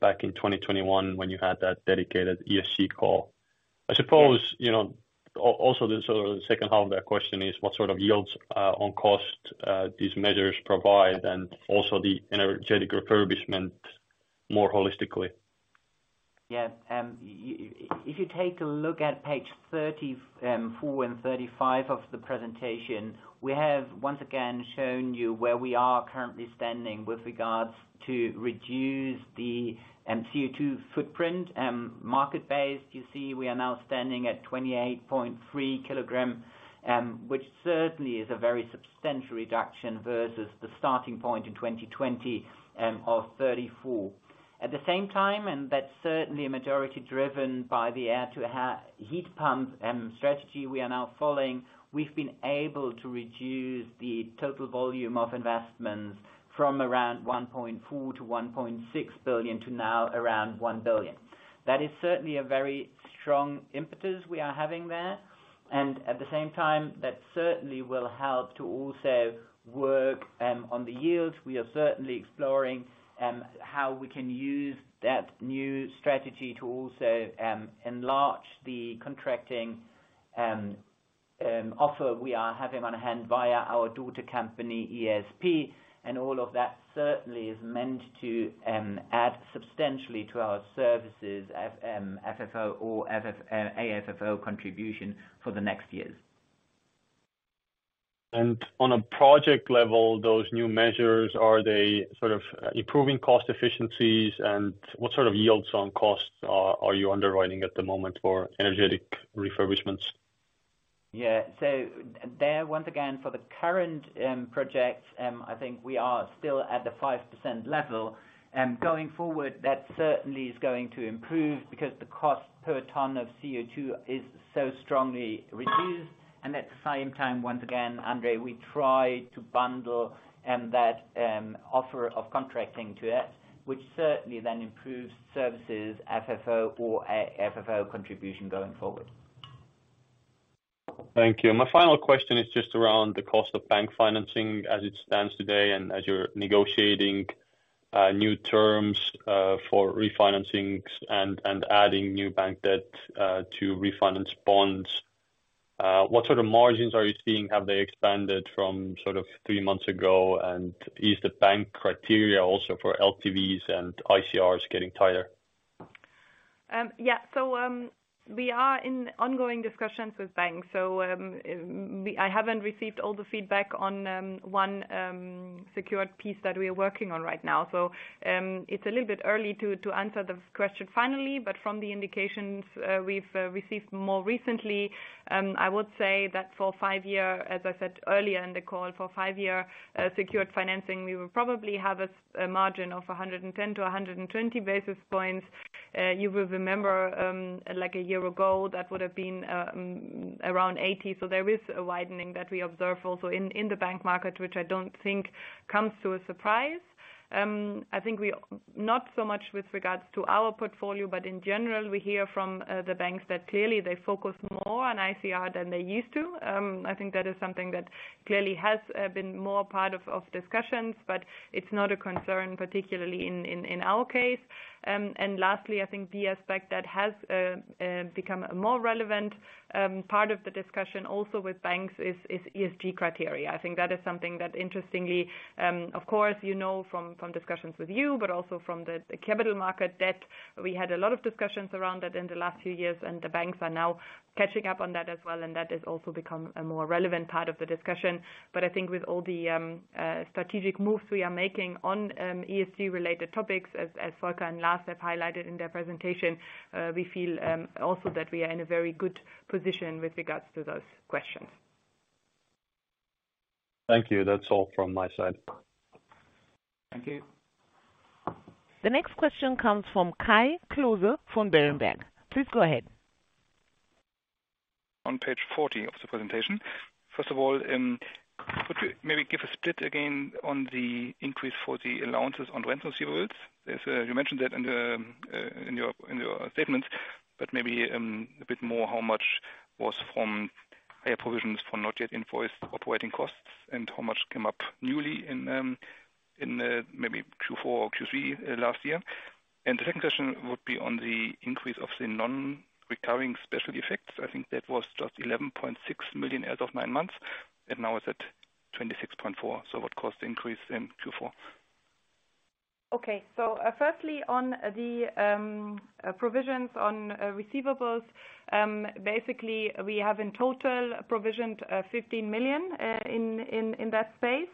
back in 2021 when you had that dedicated ESC call? I suppose, also the sort of the second half of that question is what sort of yields on cost these measures provide and also the energetic refurbishment more holistically? If you take a look at page 34 and 35 of the presentation, we have once again shown you where we are currently standing with regards to reduce the CO2 footprint. Market-based, you see, we are now standing at 28.3 kilogram, which certainly is a very substantial reduction versus the starting point in 2020 of 34. At the same time, that's certainly a majority driven by the air to heat pump strategy we are now following. We've been able to reduce the total volume of investments from around 1.4 billion-1.6 billion to now around 1 billion. That is certainly a very strong impetus we are having there. At the same time, that certainly will help to also work on the yields. We are certainly exploring how we can use that new strategy to also enlarge the contracting offer we are having on hand via our daughter company, ESP. All of that certainly is meant to add substantially to our services FFO or AFFO contribution for the next years. On a project level, those new measures, are they sort of improving cost efficiencies? What sort of yields on costs are you underwriting at the moment for energetic refurbishments? There, once again, for the current projects, I think we are still at the 5% level. Going forward, that certainly is going to improve because the cost per ton of CO2 is so strongly reduced. At the same time, once again, Andre, we try to bundle that offer of contracting to it, which certainly then improves services FFO or AFFO contribution going forward. Thank you. My final question is just around the cost of bank financing as it stands today and as you're negotiating new terms for refinancing's and adding new bank debt to refinance bonds. What sort of margins are you seeing? Have they expanded from sort of three months ago? Is the bank criteria also for LTVs and ICRs getting tighter? We are in ongoing discussions with banks. I haven't received all the feedback on one secured piece that we are working on right now. It's a little bit early to answer the question finally, but from the indications we've received more recently, I would say that for 5-year, as I said earlier in the call, for 5-year secured financing, we will probably have a margin of 110-120 basis points. You will remember, like a year ago, that would have been around 80. There is a widening that we observe also in the bank market, which I don't think comes to a surprise. I think we Not so much with regards to our portfolio, but in general, we hear from the banks that clearly they focus more on ICR than they used to. I think that is something that clearly has been more part of discussions, but it's not a concern, particularly in our case. Lastly, I think the aspect that has become a more relevant part of the discussion also with banks is ESG criteria. I think that is something that interestingly, of course, you know from discussions with you, but also from the capital market debt. We had a lot of discussions around that in the last few years. The banks are now catching up on that as well. That has also become a more relevant part of the discussion. I think with all the strategic moves we are making on ESG related topics, as Volker and Lars have highlighted in their presentation, we feel also that we are in a very good position with regards to those questions. Thank you. That's all from my side. Thank you. The next question comes from Kai Klose from Berenberg. Please go ahead. On page 40 of the presentation, first of all, could you maybe give a split again on the increase for the allowances on rental receivables? You mentioned that in the statement, but maybe a bit more how much was from higher provisions for not yet invoiced operating costs and how much came up newly in maybe Q4 or Q3 last year. The second question would be on the increase of the non-recurring special effects. I think that was just 11.6 million as of nine months, and now it's at 26.4 million. What caused the increase in Q4? Firstly on the provisions on receivables, basically we have in total provisioned 15 million in that space.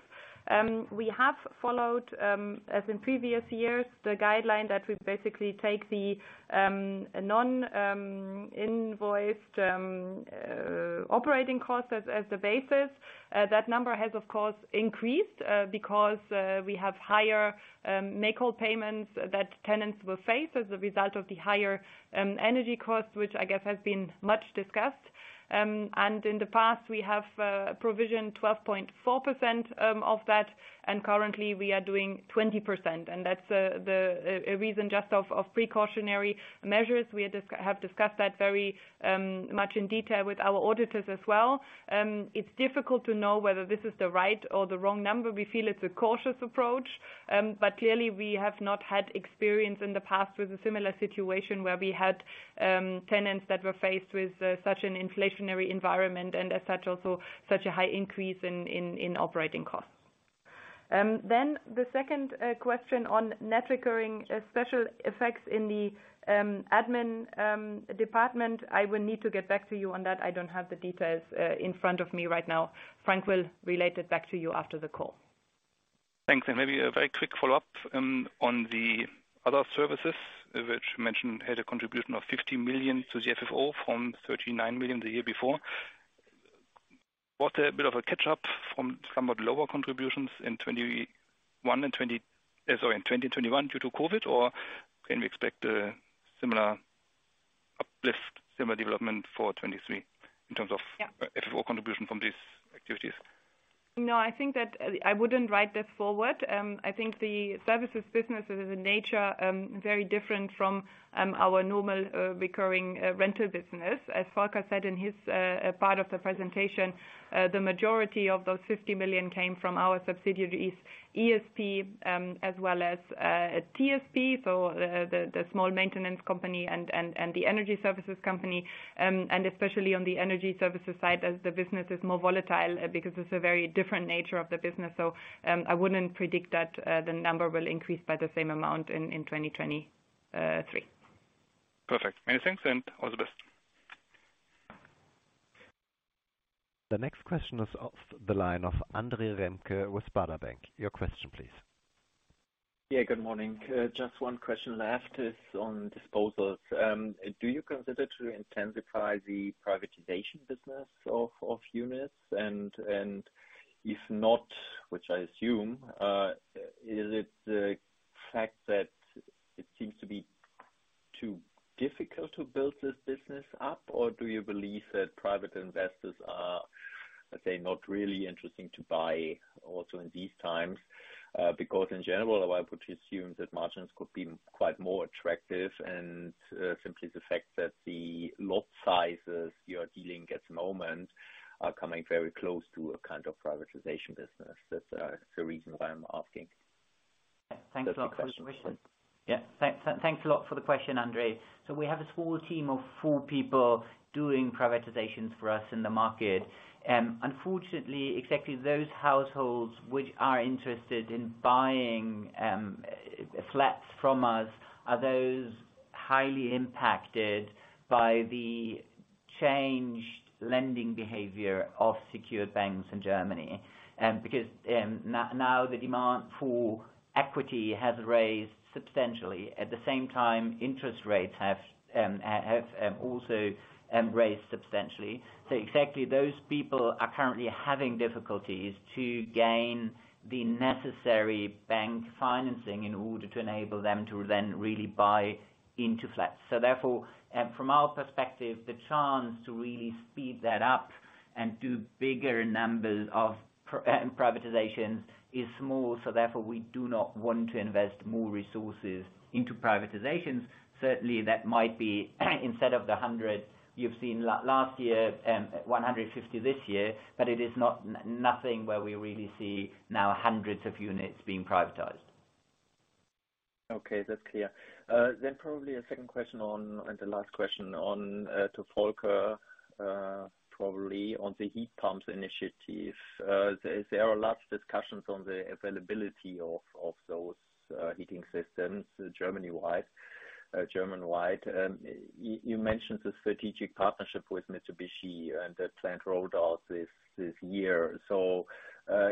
We have followed as in previous years, the guideline that we basically take the non-invoiced operating costs as the basis. That number has, of course, increased because we have higher make-whole payments that tenants will face as a result of the higher energy costs, which I guess have been much discussed. In the past, we have provisioned 12.4% of that, and currently we are doing 20%. That's a reason just of precautionary measures. We have discussed that very much in detail with our auditors as well. It's difficult to know whether this is the right or the wrong number. We feel it's a cautious approach, clearly we have not had experience in the past with a similar situation where we had tenants that were faced with such an inflationary environment and as such, also such a high increase in operating costs. The second question on net recurring special effects in the admin department, I will need to get back to you on that. I don't have the details in front of me right now. Frank will relay that back to you after the call. Thanks. Maybe a very quick follow-up on the other services which you mentioned had a contribution of 50 million to the FFO from 39 million the year before. Was it a bit of a catch-up from somewhat lower contributions in 2021 due to COVID, or can we expect a similar uplift, similar development for 2023 in terms of FFO contribution from these activities? No, I think that I wouldn't write this forward. I think the services business is in nature, very different from our normal recurring rental business. As Volker said in his part of the presentation, the majority of those 50 million came from our subsidiaries ESP, as well as TSP, so the small maintenance company and the energy services company. Especially on the energy services side, as the business is more volatile because it's a very different nature of the business. I wouldn't predict that the number will increase by the same amount in 2023. Perfect. Many thanks, all the best. The next question is off the line of Andre Remke with Baader Bank. Your question, please. Good morning. Just one question left is on disposals. Do you consider to intensify the privatization business of units? If not, which I assume, is it the fact that it seems to be too difficult to build this business up? Or do you believe that private investors are, let's say, not really interesting to buy also in these times? Because in general, I would assume that margins could be quite more attractive and simply the fact that the lot sizes you are dealing at the moment are coming very close to a kind of privatization business. That's the reason why I'm asking. Thanks. Thanks a lot for the question, Andre. We have a small team of 4 people doing privatizations for us in the market. Unfortunately, exactly those households which are interested in buying flats from us are those highly impacted by the changed lending behavior of secured banks in Germany. Because now the demand for equity has raised substantially. At the same time, interest rates have also raised substantially. Exactly those people are currently having difficulties to gain the necessary bank financing in order to enable them to then really buy into flats. Therefore, from our perspective, the chance to really speed that up and do bigger numbers of privatizations is small. Therefore, we do not want to invest more resources into privatizations. Certainly, that might be instead of the 100 you've seen last year, 150 this year, but it is not nothing where we really see now hundreds of units being privatized. Okay, that's clear. Probably a second question on, and the last question on, to Volker, probably on the heat pumps initiative. There are large discussions on the availability of those heating systems German-wide. You mentioned the strategic partnership with Mitsubishi and that planned rollout this year.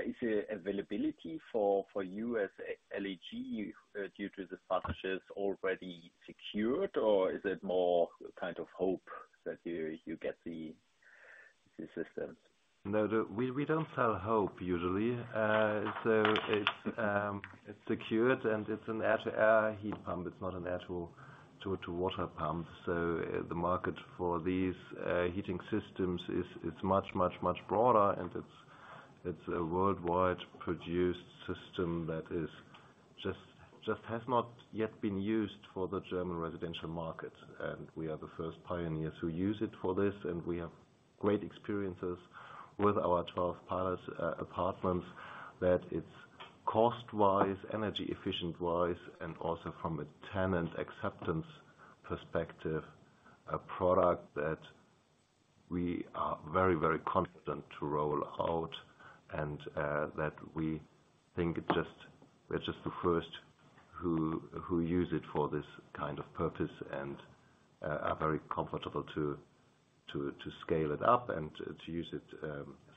Is the availability for you as a LEG due to this partnership already secured, or is it more kind of hope that you get? No, we don't sell hope usually. It's secured, and it's an air-to-air heat pump. It's not an air to water pump. The market for these heating systems is much, much, much broader, and it's a worldwide produced system that has not yet been used for the German residential market. We are the first pioneers who use it for this. We have great experiences with our 12 partners, apartments that it's cost-wise, energy efficient-wise, and also from a tenant acceptance perspective, a product that we are very, very confident to roll out. We think it's just, we're just the first who use it for this kind of purpose. We are very comfortable to scale it up and to use it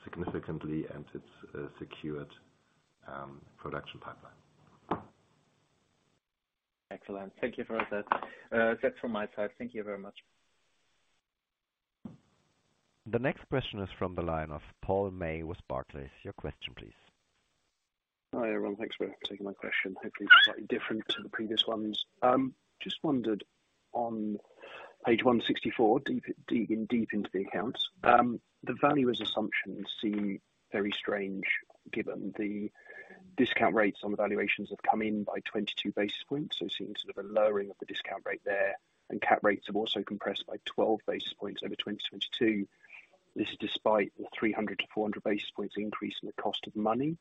significantly. It's a secured production pipeline. Excellent. Thank you for that. That's from my side. Thank you very much. The next question is from the line of Paul May with Barclays. Your question please. Hi, everyone. Thanks for taking my question. Hopefully slightly different to the previous ones. Just wondered on page 164, deep, deep into the accounts, the value as assumptions seem very strange given the discount rates on the valuations have come in by 22 basis points. It seems sort of a lowering of the discount rate there, and cap rates have also compressed by 12 basis points over 2022. This is despite the 300-400 basis points increase in the cost of money.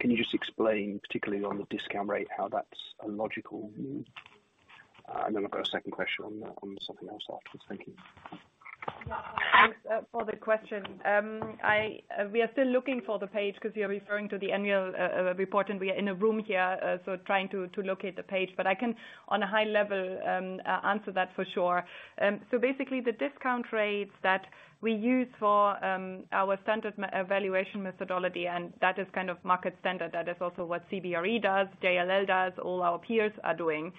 Can you just explain, particularly on the discount rate, how that's a logical move? I've got a second question on something else afterwards. Thank you. Thanks for the question. We are still looking for the page 'cause you're referring to the annual report, and we are in a room here, so trying to locate the page. I can, on a high level, answer that for sure. Basically the discount rates that we use for our standard evaluation methodology, and that is kind of market standard, that is also what CBRE does, JLL does, all our peers are doing.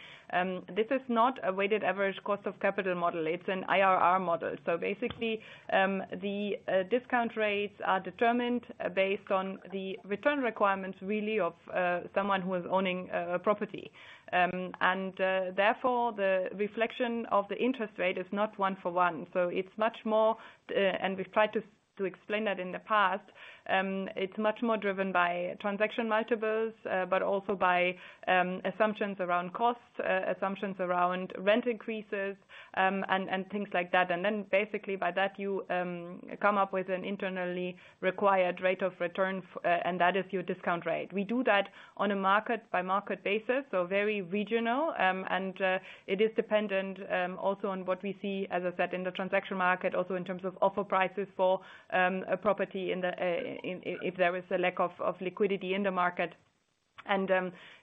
This is not a weighted average cost of capital model. It's an IRR model. Basically the discount rates are determined based on the return requirements really of someone who is owning a property. Therefore, the reflection of the interest rate is not one for one. It's much more, and we've tried to explain that in the past. It's much more driven by transaction multiples, but also by assumptions around costs, assumptions around rent increases, and things like that. Then basically by that, you come up with an internally required rate of return, and that is your discount rate. We do that on a market by market basis, so very regional. It is dependent also on what we see, as I said, in the transaction market, also in terms of offer prices for a property in the, if there is a lack of liquidity in the market.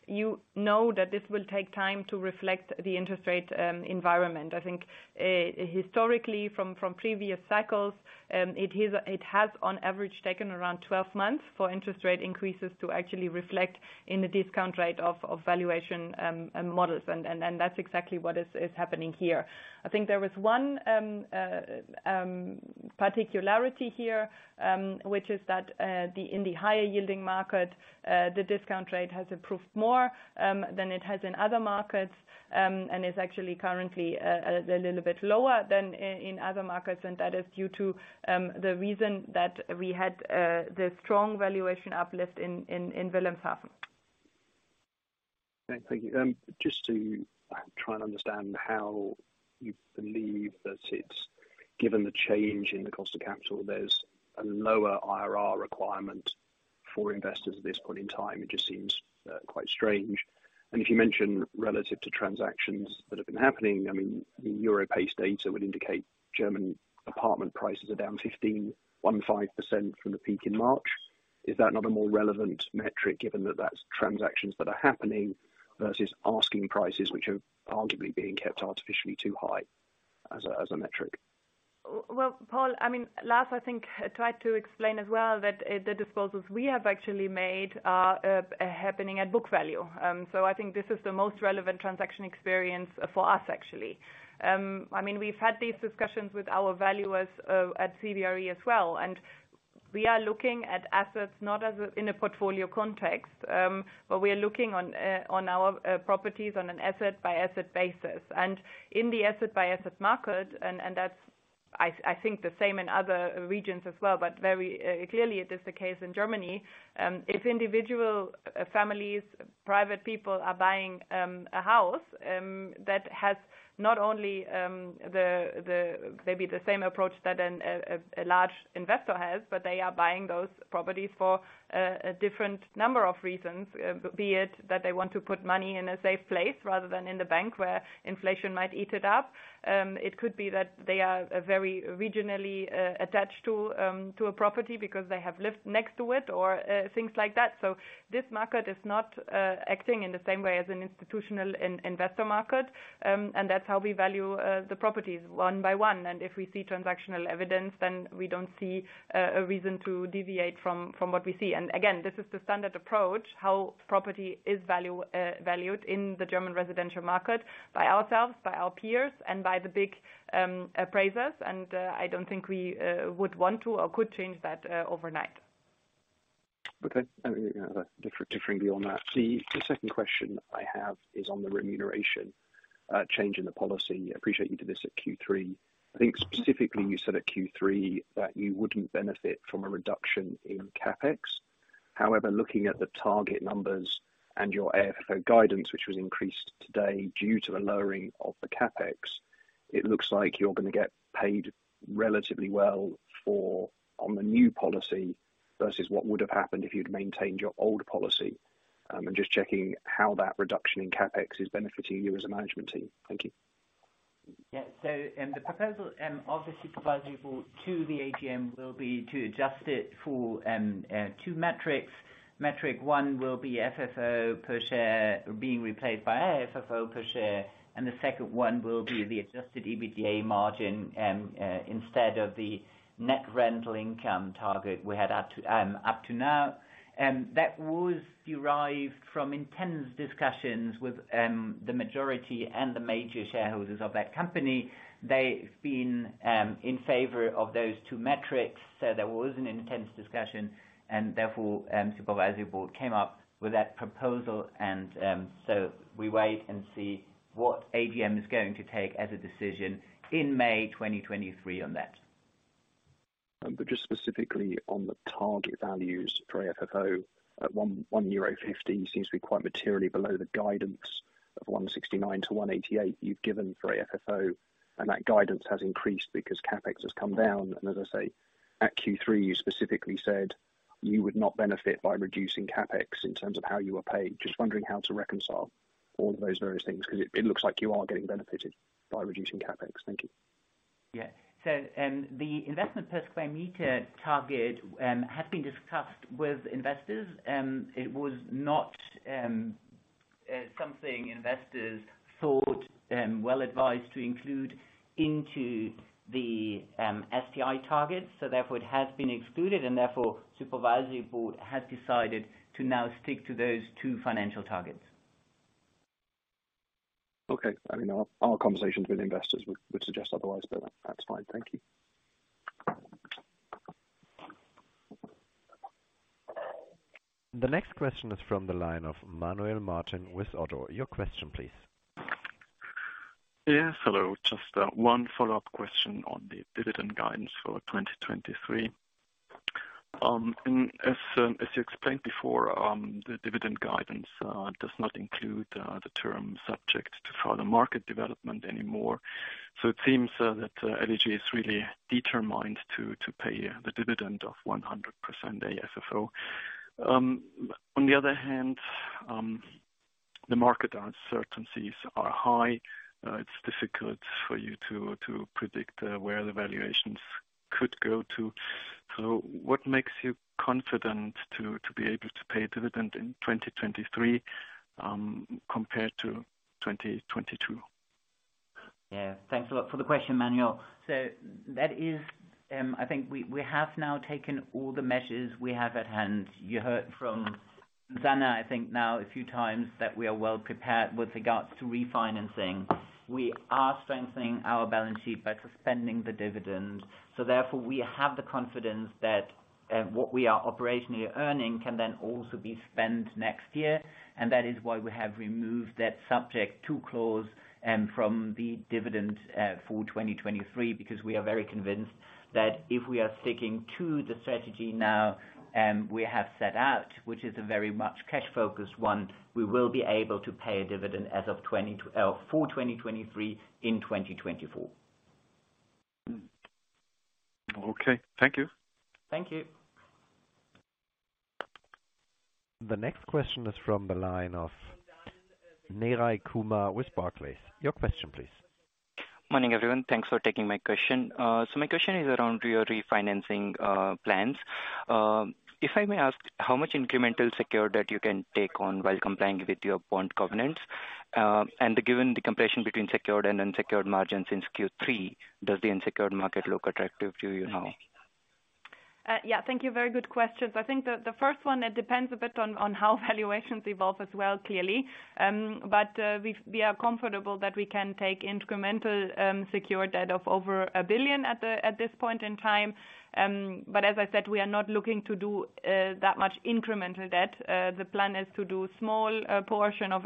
You know that this will take time to reflect the interest rate environment. I think historically from previous cycles, it has on average taken around 12 months for interest rate increases to actually reflect in the discount rate of valuation models. That's exactly what is happening here. I think there was one particularity here, which is that in the higher yielding market, the discount rate has improved more than it has in other markets and is actually currently a little bit lower than in other markets. That is due to the reason that we had the strong valuation uplift in Wilhelmshaven. Thank you. Just to try and understand how you believe that it's, given the change in the cost of capital, there's a lower IRR requirement for investors at this point in time. It just seems quite strange. If you mention relative to transactions that have been happening, the Europace data would indicate German apartment prices are down 15% from the peak in March. Is that not a more relevant metric given that that's transactions that are happening versus asking prices which are arguably being kept artificially too high as a metric? Well, Paul, I mean, Lars, I think, tried to explain as well that the disposals we have actually made are happening at book value. I think this is the most relevant transaction experience for us actually. I mean, we've had these discussions with our valuers at CBRE as well, and we are looking at assets not as a, in a portfolio context, but we are looking on our properties on an asset by asset basis. In the asset by asset market, and that's, I think the same in other regions as well, but very clearly it is the case in Germany, if individual families, private people are buying a house, that has not only the maybe the same approach that a large investor has, but they are buying those properties for a different number of reasons, be it that they want to put money in a safe place rather than in the bank where inflation might eat it up. It could be that they are very regionally attached to a property because they have lived next to it or things like that. This market is not acting in the same way as an institutional investor market. That's how we value the properties one by one. If we see transactional evidence, then we don't see a reason to deviate from what we see. Again, this is the standard approach, how property is valued in the German residential market by ourselves, by our peers, and by the big appraisers. I don't think we would want to or could change that overnight. Okay. I don't think we're gonna have a differing view on that. The second question I have is on the remuneration change in the policy. I appreciate you did this at Q3. I think specifically you said at Q3 that you wouldn't benefit from a reduction in CapEx. However, looking at the target numbers and your AFFO guidance, which was increased today due to the lowering of the CapEx, it looks like you're gonna get paid relatively well on the new policy versus what would have happened if you'd maintained your old policy. I'm just checking how that reduction in CapEx is benefiting you as a management team. Thank you. The proposal, obviously supervisory board to the AGM will be to adjust it for 2 metrics. Metric 1 will be FFO per share being replaced by AFFO per share, the 2nd 1 will be the adjusted EBITDA margin instead of the net rental income target we had up to now. That was derived from intense discussions with the majority and the major shareholders of that company. They've been in favor of those 2 metrics, there was an intense discussion and therefore, supervisory board came up with that proposal, we wait and see what AGM is going to take as a decision in May 2023 on that. Just specifically on the target values for AFFO at 1.50 euro seems to be quite materially below the guidance of 1.69-1.88 you've given for AFFO, and that guidance has increased because CapEx has come down. As I say, at Q3, you specifically said you would not benefit by reducing CapEx in terms of how you were paid. Just wondering how to reconcile all of those various things 'cause it looks like you are getting benefited by reducing CapEx. Thank you. The investment per square meter target had been discussed with investors. It was not something investors thought well advised to include into the STI targets. Therefore it has been excluded and therefore supervisory board has decided to now stick to those two financial targets. Okay. I mean, our conversations with investors would suggest otherwise. That's fine. Thank you. The next question is from the line of Manuel Martin with ODDO. Your question please. Yes, hello. Just one follow-up question on the dividend guidance for 2023. As as you explained before, the dividend guidance does not include the term subject to further market development anymore. It seems that LEG is really determined to pay the dividend of 100% AFFO. On the other hand, the market uncertainties are high. It's difficult for you to predict where the valuations could go to. What makes you confident to be able to pay a dividend in 2023, compared to 2022? Thanks a lot for the question, Manuel. That is, I think we have now taken all the measures we have at hand. You heard from Zanna, I think now a few times, that we are well prepared with regards to refinancing. We are strengthening our balance sheet by suspending the dividend. Therefore we have the confidence that what we are operationally earning can then also be spent next year. That is why we have removed that subject to clause from the dividend for 2023 because we are very convinced that if we are sticking to the strategy now, we have set out, which is a very much cash-focused one, we will be able to pay a dividend for 2023 in 2024. Okay. Thank you. Thank you. The next question is from the line of Neeraj Kumar with Barclays. Your question please. Morning, everyone. Thanks for taking my question. My question is around your refinancing plans. If I may ask, how much incremental secure debt you can take on while complying with your bond covenants? Given the compression between secured and unsecured margins since Q3, does the unsecured market look attractive to you now? Thank you. Very good questions. I think the first one, it depends a bit on how valuations evolve as well, clearly. We are comfortable that we can take incremental secure debt of over 1 billion at this point in time. As I said, we are not looking to do that much incremental debt. The plan is to do small portion of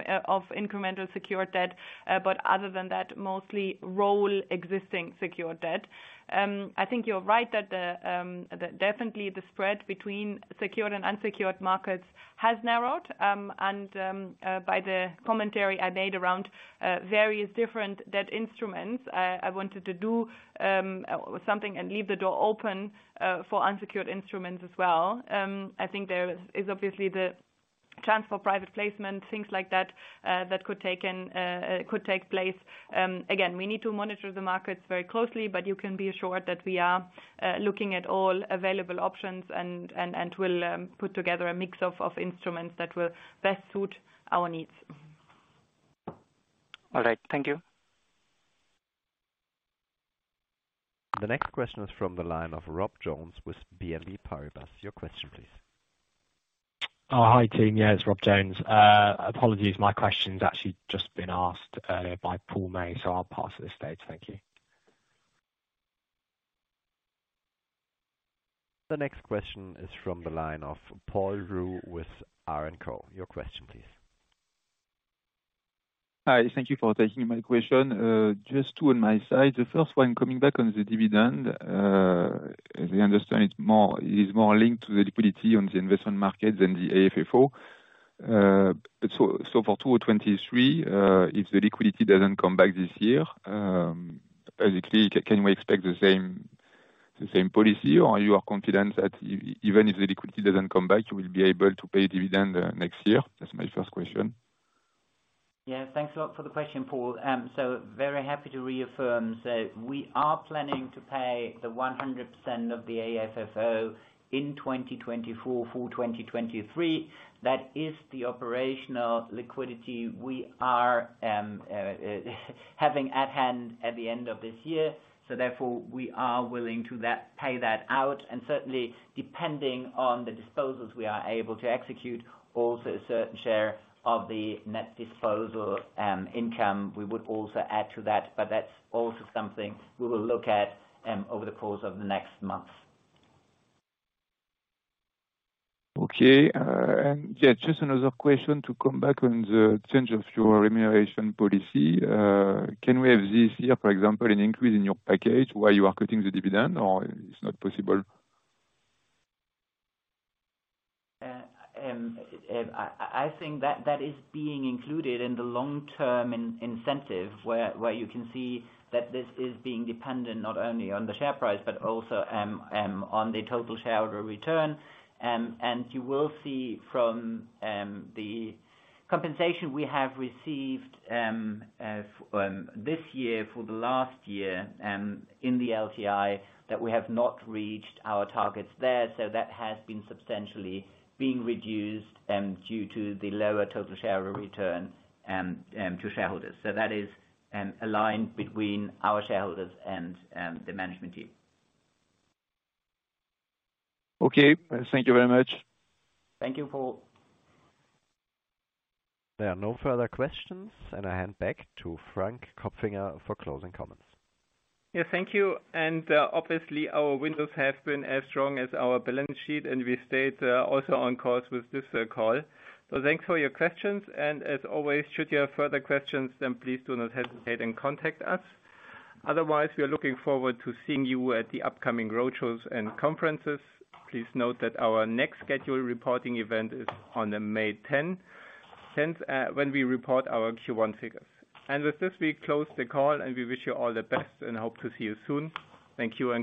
incremental secured debt, but other than that, mostly roll existing secured debt. I think you're right that the definitely the spread between secured and unsecured markets has narrowed. By the commentary I made around various different debt instruments, I wanted to do something and leave the door open for unsecured instruments as well. I think there is obviously the chance for private placement, things like that could take place. Again, we need to monitor the markets very closely, but you can be assured that we are looking at all available options and will put together a mix of instruments that will best suit our needs. All right. Thank you. The next question is from the line of Rob Jones with BNP Paribas. Your question please. Oh, hi, team. Yeah, it's Rob Jones. Apologies, my question's actually just been asked, by Paul May, so I'll pass at this stage. Thank you. The next question is from the line of Paul Roux with Barclays. Your question please. Hi, thank you for taking my question. Just two on my side. The first one, coming back on the dividend, as I understand, it is more linked to the liquidity on the investment market than the AFFO. For 2023, if the liquidity doesn't come back this year, basically, can we expect the same policy? You are confident that even if the liquidity doesn't come back, you will be able to pay dividend next year? That's my first question. Yeah, thanks a lot for the question, Paul. Very happy to reaffirm that we are planning to pay the 100% of the AFFO in 2024 full 2023. That is the operational liquidity we are having at hand at the end of this year. Therefore, we are willing to pay that out and certainly depending on the disposals we are able to execute, also a certain share of the net disposal income, we would also add to that, but that's also something we will look at over the course of the next month. Okay. Just another question to come back on the change of your remuneration policy. Can we have this year, for example, an increase in your package while you are cutting the dividend, or it's not possible? I think that is being included in the long-term incentive, where you can see that this is being dependent not only on the share price, but also on the total shareholder return. You will see from the compensation we have received this year for the last year in the LTI, that we have not reached our targets there. That has been substantially being reduced due to the lower total shareholder return to shareholders. That is aligned between our shareholders and the management team. Okay. Thank you very much. Thank you, Paul. There are no further questions, and I hand back to Frank Kopfinger for closing comments. Thank you. Obviously, our windows have been as strong as our balance sheet, and we stayed also on course with this call. Thanks for your questions, and as always, should you have further questions, then please do not hesitate and contact us. Otherwise, we are looking forward to seeing you at the upcoming roadshows and conferences. Please note that our next scheduled reporting event is on May 10. Since when we report our Q1 figures. With this, we close the call, and we wish you all the best and hope to see you soon. Thank you all.